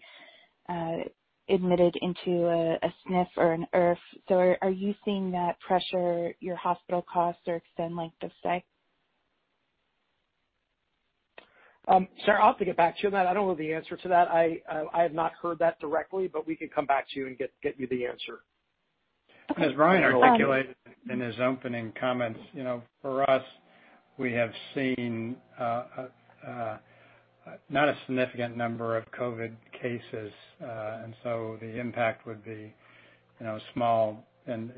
Speaker 13: admitted into a SNF or an IRF. Are you seeing that pressure your hospital costs or extend length of stay?
Speaker 4: Sarah, I'll have to get back to you on that. I don't know the answer to that. I have not heard that directly, but we can come back to you and get you the answer.
Speaker 3: As Brian articulated in his opening comments, for us, we have seen not a significant number of COVID cases. The impact would be small in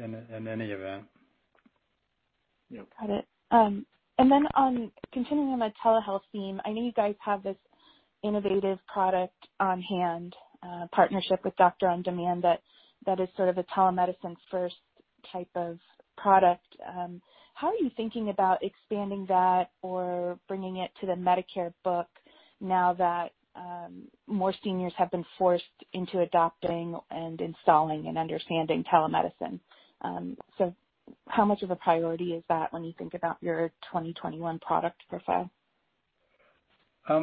Speaker 3: any event.
Speaker 13: Got it. Continuing on the telehealth theme, I know you guys have this innovative product on hand, partnership with Doctor on Demand that is sort of a telemedicine first type of product. How are you thinking about expanding that or bringing it to the Medicare book now that more seniors have been forced into adopting and installing and understanding telemedicine? How much of a priority is that when you think about your 2021 product profile?
Speaker 3: I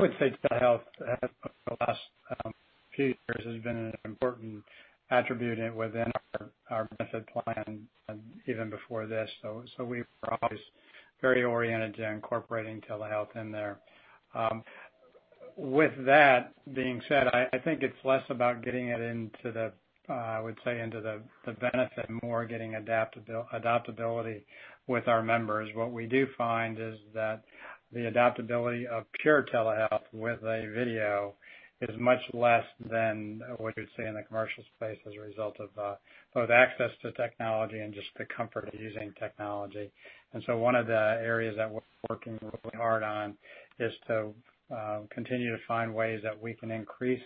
Speaker 3: would say telehealth over the last few years has been an important attribute within our benefit plan, even before this. We were always very oriented to incorporating telehealth in there. With that being said, I think it's less about getting it into the, I would say, into the benefit, more getting adaptability with our members. What we do find is that the adaptability of pure telehealth with a video is much less than what you'd see in the commercial space as a result of both access to technology and just the comfort of using technology. One of the areas that we're working really hard on is to continue to find ways that we can increase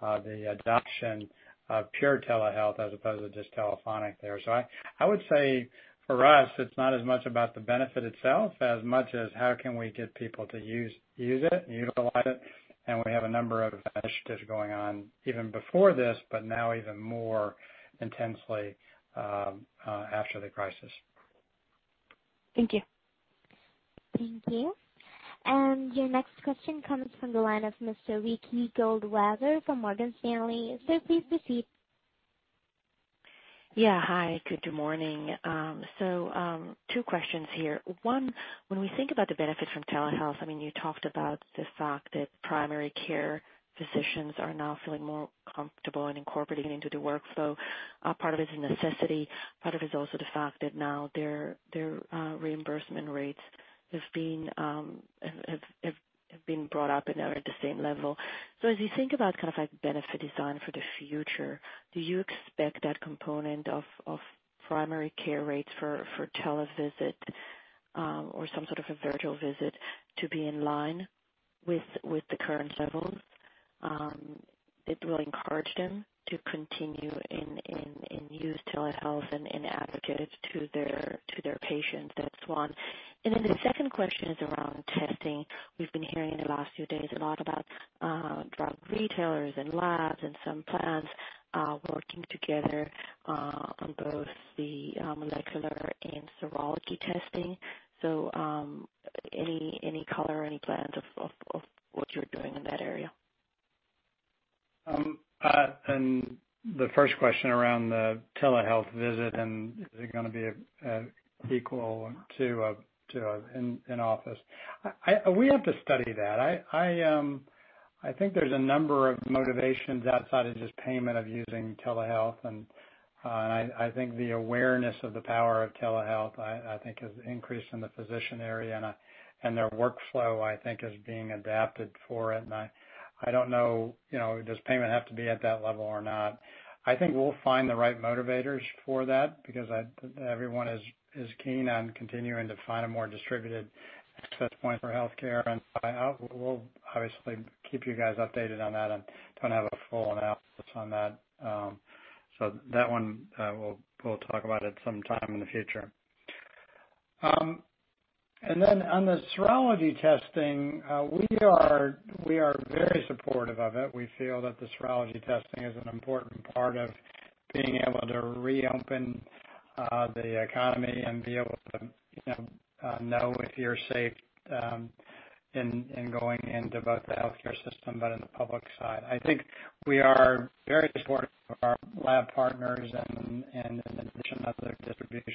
Speaker 3: the adoption of pure telehealth as opposed to just telephonic there. I would say for us, it's not as much about the benefit itself as much as how can we get people to use it and utilize it. We have a number of initiatives going on even before this, but now even more intensely after the crisis.
Speaker 13: Thank you.
Speaker 1: Thank you. Your next question comes from the line of Mr. Ricky Goldwasser from Morgan Stanley. Sir, please proceed.
Speaker 14: Yeah. Hi, good morning. Two questions here. One, when we think about the benefits from telehealth, you talked about the fact that primary care physicians are now feeling more comfortable in incorporating it into the workflow. Part of it is a necessity. Part of it is also the fact that now their reimbursement rates have been brought up and are at the same level. As you think about benefit design for the future, do you expect that component of primary care rates for televisit, or some sort of a virtual visit to be in line with the current levels? It will encourage them to continue and use telehealth and advocate it to their patients. That's one. The second question is around testing. We've been hearing in the last few days a lot about drug retailers and labs and some plans working together on both the molecular and serology testing. Any color, any plans of what you're doing in that area?
Speaker 3: The first question around the telehealth visit, and is it going to be equal to an in-office. We have to study that. I think there's a number of motivations outside of just payment of using telehealth, and I think the awareness of the power of telehealth, I think, has increased in the physician area, and their workflow, I think, is being adapted for it. I don't know, does payment have to be at that level or not? I think we'll find the right motivators for that because everyone is keen on continuing to find a more distributed access point for healthcare. We'll obviously keep you guys updated on that and don't have a full analysis on that. That one, we'll talk about it sometime in the future. Then on the serology testing, we are very supportive of it. We feel that the serology testing is an important part of being able to reopen the economy and be able to know if you're safe in going into both the healthcare system, but in the public side. I think we are very supportive of our lab partners and in addition, other distribution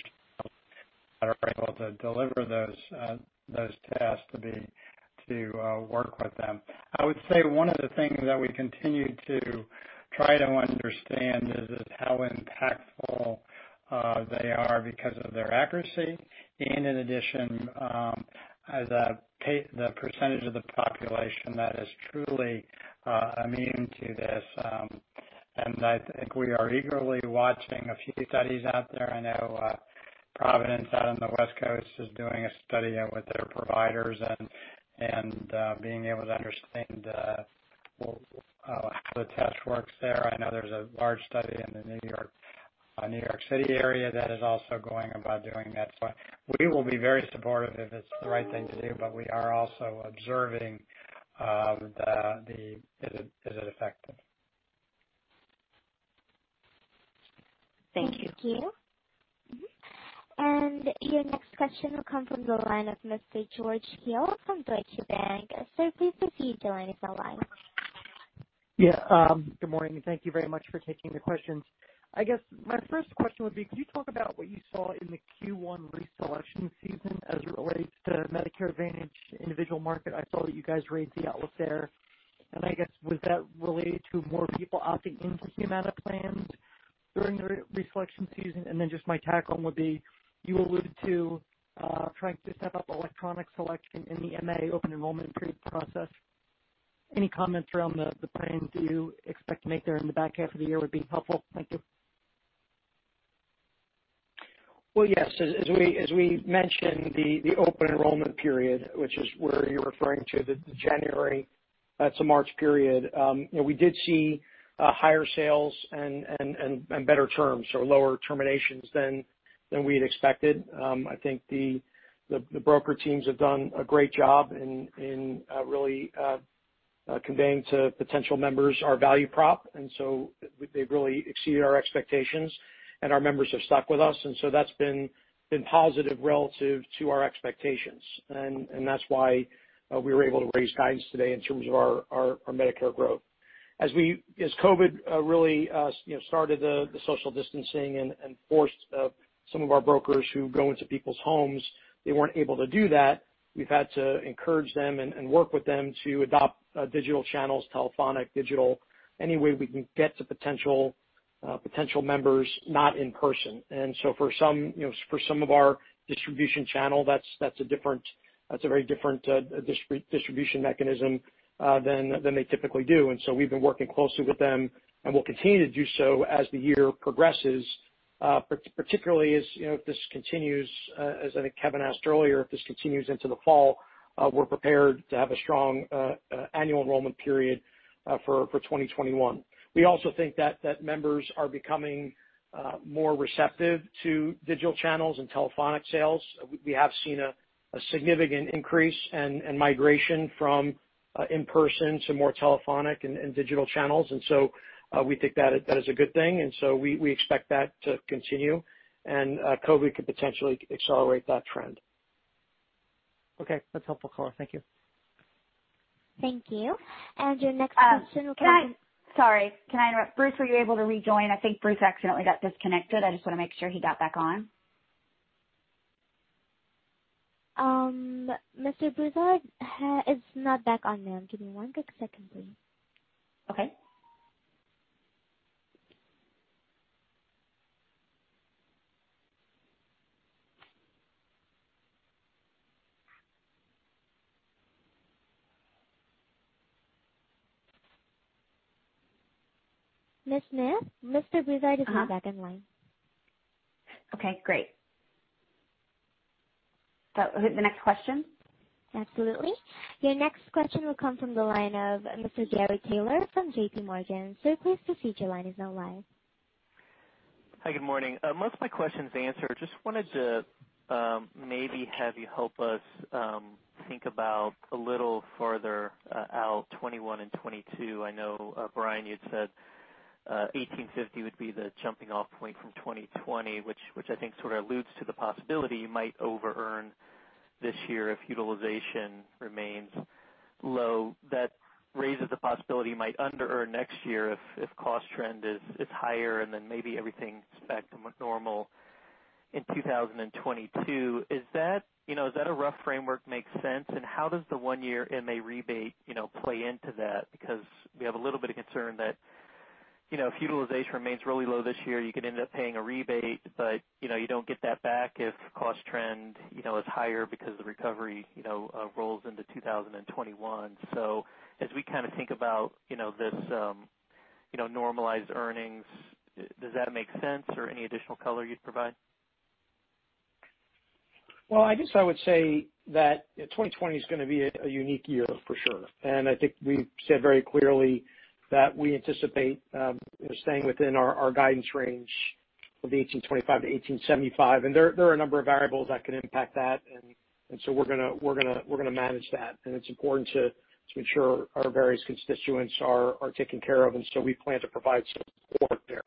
Speaker 3: that are able to deliver those tests to work with them. I would say one of the things that we continue to try to understand is how impactful they are because of their accuracy, and in addition, as the percentage of the population that is truly immune to this. I think we are eagerly watching a few studies out there. I know Providence out on the West Coast is doing a study with their providers and being able to understand how the test works there. I know there's a large study in the New York City area that is also going about doing that. We will be very supportive if it's the right thing to do, but we are also observing is it effective.
Speaker 14: Thank you.
Speaker 1: Thank you. Your next question will come from the line of Mr. George Hill from Deutsche Bank. Sir, please proceed. The line is now live.
Speaker 15: Good morning. Thank you very much for taking the questions. I guess my first question would be, could you talk about what you saw in the Q1 reselection season as it relates to Medicare Advantage individual market? I saw that you guys raised the outlook there. Was that related to more people opting into Humana plans during the reselection season? Just my tack on would be, you alluded to trying to step up electronic selection in the MA open enrollment period process. Any comments around the plan do you expect to make there in the back half of the year would be helpful. Thank you.
Speaker 4: Well, yes. As we mentioned, the open enrollment period, which is where you're referring to, the January to March period. We did see higher sales and better terms or lower terminations than we had expected. I think the broker teams have done a great job in really conveying to potential members our value prop. They've really exceeded our expectations, and our members have stuck with us. That's been positive relative to our expectations. That's why we were able to raise guidance today in terms of our Medicare growth. As COVID really started the social distancing and forced some of our brokers who go into people's homes, they weren't able to do that. We've had to encourage them and work with them to adopt digital channels, telephonic, digital, any way we can get to potential members, not in person. For some of our distribution channel, that's a very different distribution mechanism than they typically do. We've been working closely with them, and we'll continue to do so as the year progresses. Particularly if this continues, as I think Kevin asked earlier, if this continues into the fall, we're prepared to have a strong Annual Enrollment Period for 2021. We also think that members are becoming more receptive to digital channels and telephonic sales. We have seen a significant increase and migration from in-person to more telephonic and digital channels. We think that is a good thing. We expect that to continue, and COVID could potentially accelerate that trend.
Speaker 15: Okay. That's helpful color. Thank you.
Speaker 1: Thank you. Your next question will come.
Speaker 2: Sorry, can I interrupt? Bruce, were you able to rejoin? I think Bruce accidentally got disconnected. I just want to make sure he got back on.
Speaker 1: Mr. Broussard is not back on, ma'am. Give me one quick second, please.
Speaker 2: Okay.
Speaker 1: Ms. Smith, Mr. Broussard is now back in line.
Speaker 2: Okay, great. The next question?
Speaker 1: Absolutely. Your next question will come from the line of Mr. Gary Taylor from JPMorgan. Sir, please proceed, your line is now live.
Speaker 16: Hi, good morning. Most of my questions are answered. Just wanted to maybe have you help us think about a little further out 2021 and 2022. I know, Brian, you had said, $18.50 would be the jumping off point from 2020, which I think sort of alludes to the possibility you might over-earn this year if utilization remains low. That raises the possibility you might under-earn next year if cost trend is higher and then maybe everything's back to normal in 2022. Is that a rough framework make sense? How does the one year MA rebate play into that? We have a little bit of concern that if utilization remains really low this year, you could end up paying a rebate, but you don't get that back if cost trend is higher because the recovery rolls into 2021. As we kind of think about this normalized earnings, does that make sense? Any additional color you'd provide?
Speaker 4: Well, I guess I would say that 2020 is going to be a unique year for sure. I think we've said very clearly that we anticipate staying within our guidance range of the $18.25-$18.75. There are a number of variables that can impact that. We're going to manage that. It's important to ensure our various constituents are taken care of. We plan to provide support there.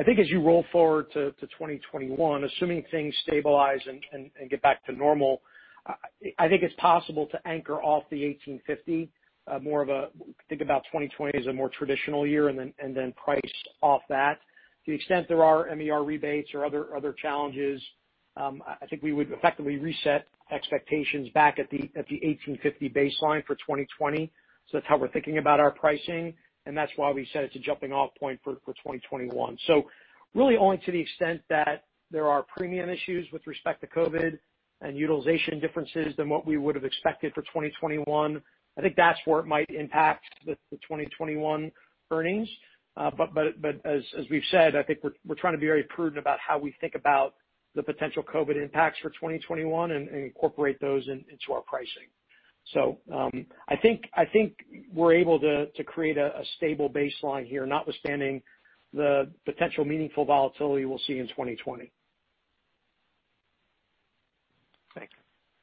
Speaker 4: I think as you roll forward to 2021, assuming things stabilize and get back to normal, I think it's possible to anchor off the $18.50, think about 2020 as a more traditional year and then price off that. To the extent there are MLR rebates or other challenges, I think we would effectively reset expectations back at the $18.50 baseline for 2020. That's how we're thinking about our pricing, and that's why we said it's a jumping off point for 2021. Really only to the extent that there are premium issues with respect to COVID and utilization differences than what we would have expected for 2021, I think that's where it might impact the 2021 earnings. As we've said, I think we're trying to be very prudent about how we think about the potential COVID impacts for 2021 and incorporate those into our pricing. I think we're able to create a stable baseline here, notwithstanding the potential meaningful volatility we'll see in 2020.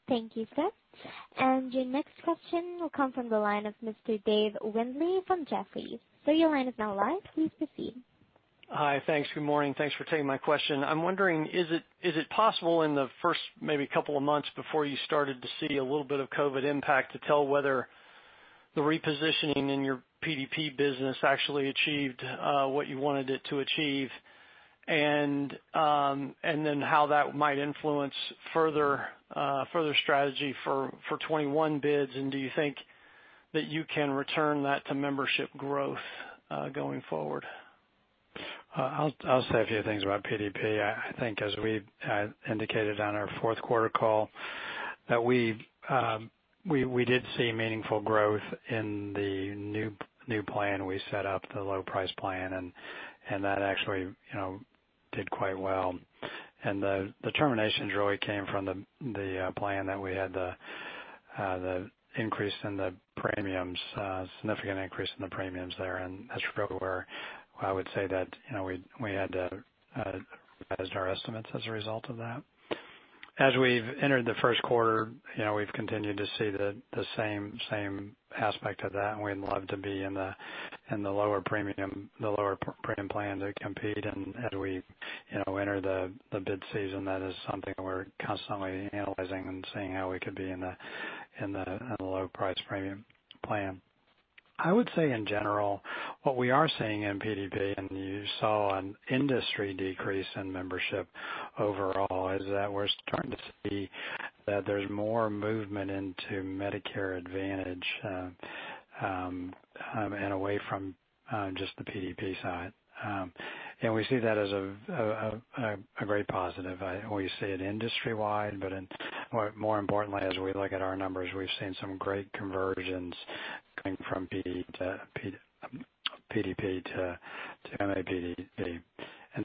Speaker 16: Thank you.
Speaker 1: Thank you, sir. Your next question will come from the line of Mr. Dave Windley from Jefferies. Sir, your line is now live. Please proceed.
Speaker 17: Hi. Thanks. Good morning. Thanks for taking my question. I'm wondering, is it possible in the first maybe couple of months before you started to see a little bit of COVID impact to tell whether the repositioning in your PDP business actually achieved what you wanted it to achieve? How that might influence further strategy for 2021 bids, and do you think that you can return that to membership growth going forward?
Speaker 3: I'll say a few things about PDP. I think as we indicated on our fourth quarter call, that we did see meaningful growth in the new plan we set up, the low price plan, and that actually did quite well. The terminations really came from the plan that we had, the increase in the premiums, significant increase in the premiums there, and that's really where I would say that we had to revise our estimates as a result of that. As we've entered the first quarter, we've continued to see the same aspect of that, and we'd love to be in the lower premium plan to compete. As we enter the bid season, that is something we're constantly analyzing and seeing how we could be in the low price premium plan. I would say, in general, what we are seeing in PDP, and you saw an industry decrease in membership overall, is that we're starting to see that there's more movement into Medicare Advantage, and away from just the PDP side. We see that as a great positive. We see it industry-wide, but more importantly, as we look at our numbers, we've seen some great conversions coming from PDP to MAPD.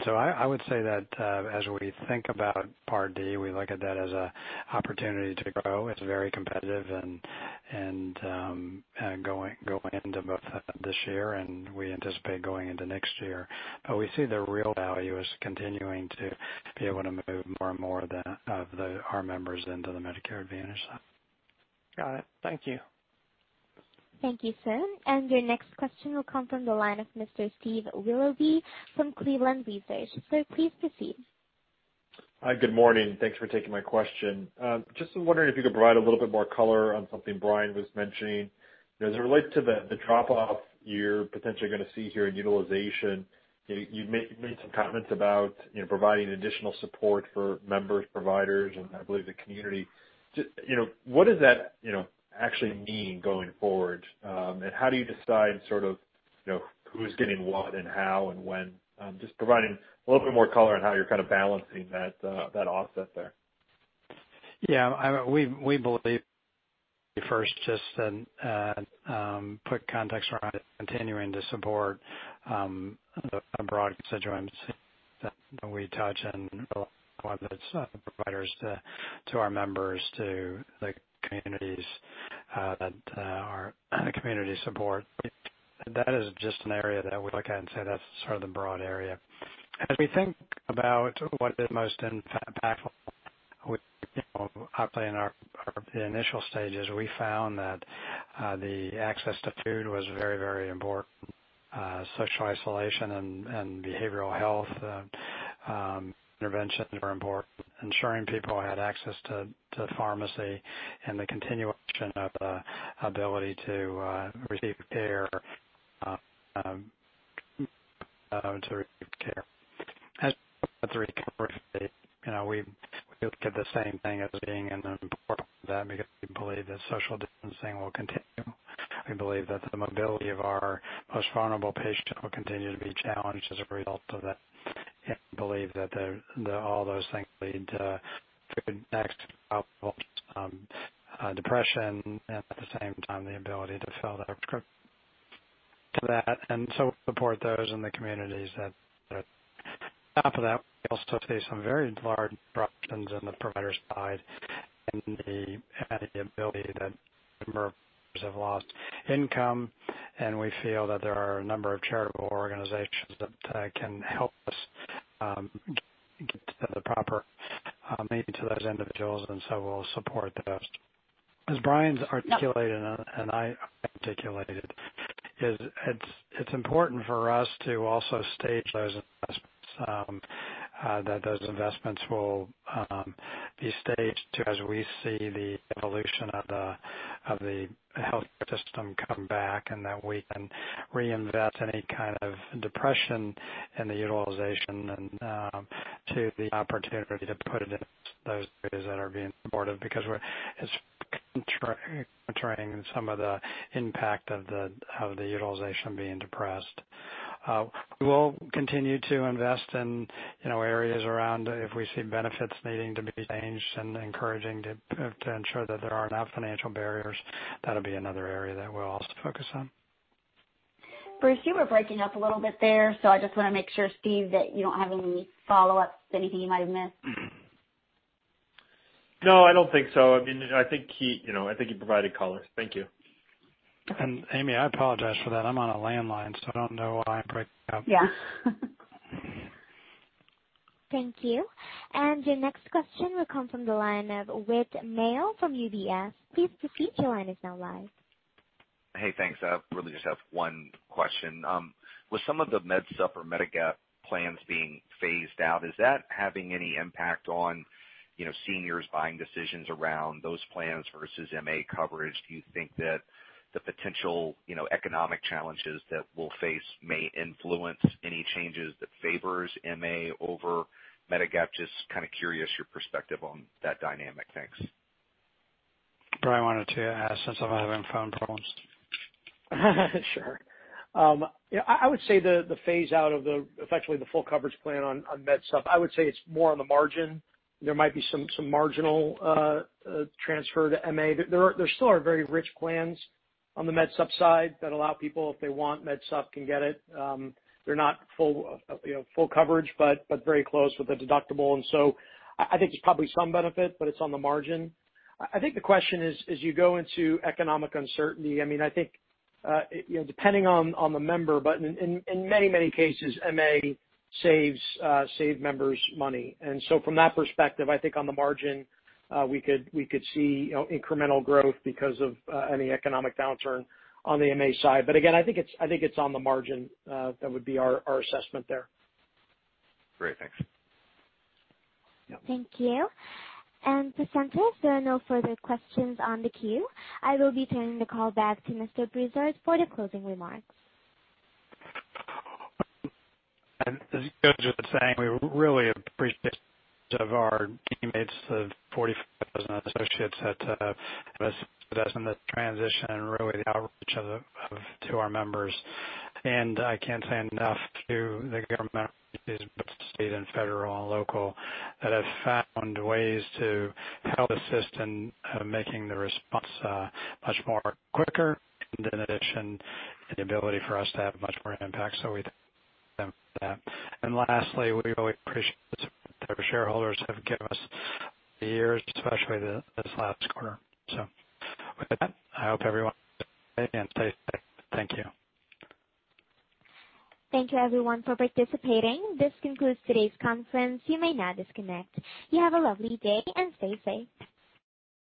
Speaker 3: I would say that as we think about Part D, we look at that as an opportunity to grow. It's very competitive and going into both this year, and we anticipate going into next year. We see the real value is continuing to be able to move more and more of our members into the Medicare Advantage side.
Speaker 17: Got it. Thank you.
Speaker 1: Thank you, sir. Your next question will come from the line of Mr. Steve Willoughby from Cleveland Research Company. Sir, please proceed.
Speaker 18: Hi, good morning. Thanks for taking my question. Just was wondering if you could provide a little bit more color on something Brian was mentioning. As it relates to the drop-off you're potentially going to see here in utilization, you made some comments about providing additional support for members, providers, and I believe the community. What does that actually mean going forward? How do you decide who's getting what and how and when? Just providing a little bit more color on how you're balancing that offset there.
Speaker 3: Yeah. We believe first, just to put context around it, continuing to support the broad constituency that we touch and providers to our members, to the communities that are community support. That is just an area that we look at and say that's sort of the broad area. As we think about what is most impactful, I'll say in our initial stages, we found that the access to food was very important. Social isolation and behavioral health interventions were important. Ensuring people had access to pharmacy and the continuation of ability to receive care. As the recovery, we look at the same thing as being an important because we believe that social distancing will continue. We believe that the mobility of our most vulnerable patients will continue to be challenged as a result of that, and believe that all those things lead to food, next, depression, and at the same time, the ability to fill their prescription to that. Support those in the communities that are. On top of that, we also see some very large disruptions in the provider side and the ability that members have lost income, and we feel that there are a number of charitable organizations that can help us get the proper money to those individuals, and so we'll support those. As Brian's articulated, and I articulated, it's important for us to also stage those investments, that those investments will be staged to, as we see the evolution of the health system come back, and that we can reinvest any kind of depression in the utilization and to the opportunity to put it in those areas that are being supportive, because it's countering some of the impact of the utilization being depressed. We will continue to invest in areas around if we see benefits needing to be changed and encouraging to ensure that there are enough financial barriers. That'll be another area that we'll also focus on.
Speaker 2: Bruce, you were breaking up a little bit there, so I just want to make sure, Steve, that you don't have any follow-ups, anything you might have missed.
Speaker 18: No, I don't think so. I think he provided color. Thank you.
Speaker 3: Amy, I apologize for that. I'm on a landline. I don't know why I'm breaking up.
Speaker 2: Yeah.
Speaker 1: Thank you. Your next question will come from the line of Whit Mayo from UBS. Please proceed. Your line is now live.
Speaker 19: Hey, thanks. I really just have one question. With some of the MedSup or Medigap plans being phased out, is that having any impact on seniors' buying decisions around those plans versus MA coverage? Do you think that the potential economic challenges that we'll face may influence any changes that favors MA over Medigap? Just kind of curious your perspective on that dynamic. Thanks.
Speaker 3: Brian wanted to ask since I'm having phone problems.
Speaker 4: Sure. I would say the phase out of the, effectively the full coverage plan on MedSup, I would say it's more on the margin. There might be some marginal transfer to MA. There still are very rich plans on the MedSup side that allow people, if they want MedSup, can get it. They're not full coverage, but very close with the deductible, and so I think there's probably some benefit, but it's on the margin. I think the question is, as you go into economic uncertainty, I think, depending on the member, but in many cases, MA save members money. From that perspective, I think on the margin, we could see incremental growth because of any economic downturn on the MA side. Again, I think it's on the margin. That would be our assessment there.
Speaker 19: Great. Thanks.
Speaker 4: Yeah.
Speaker 1: Thank you. Participants, there are no further questions on the queue. I will be turning the call back to Mr. Broussard for the closing remarks.
Speaker 3: As Joe was just saying, we really appreciate our teammates of 45,000 associates that have invested in this transition and really the outreach to our members. I can't say enough to the government entities, both state and federal and local, that have found ways to help assist in making the response much more quicker, and in addition, the ability for us to have much more impact. We thank them for that. Lastly, we really appreciate the support that our shareholders have given us over the years, especially this last quarter. With that, I hope everyone stays safe. Thank you.
Speaker 1: Thank you everyone for participating. This concludes today's conference. You may now disconnect. You have a lovely day and stay safe.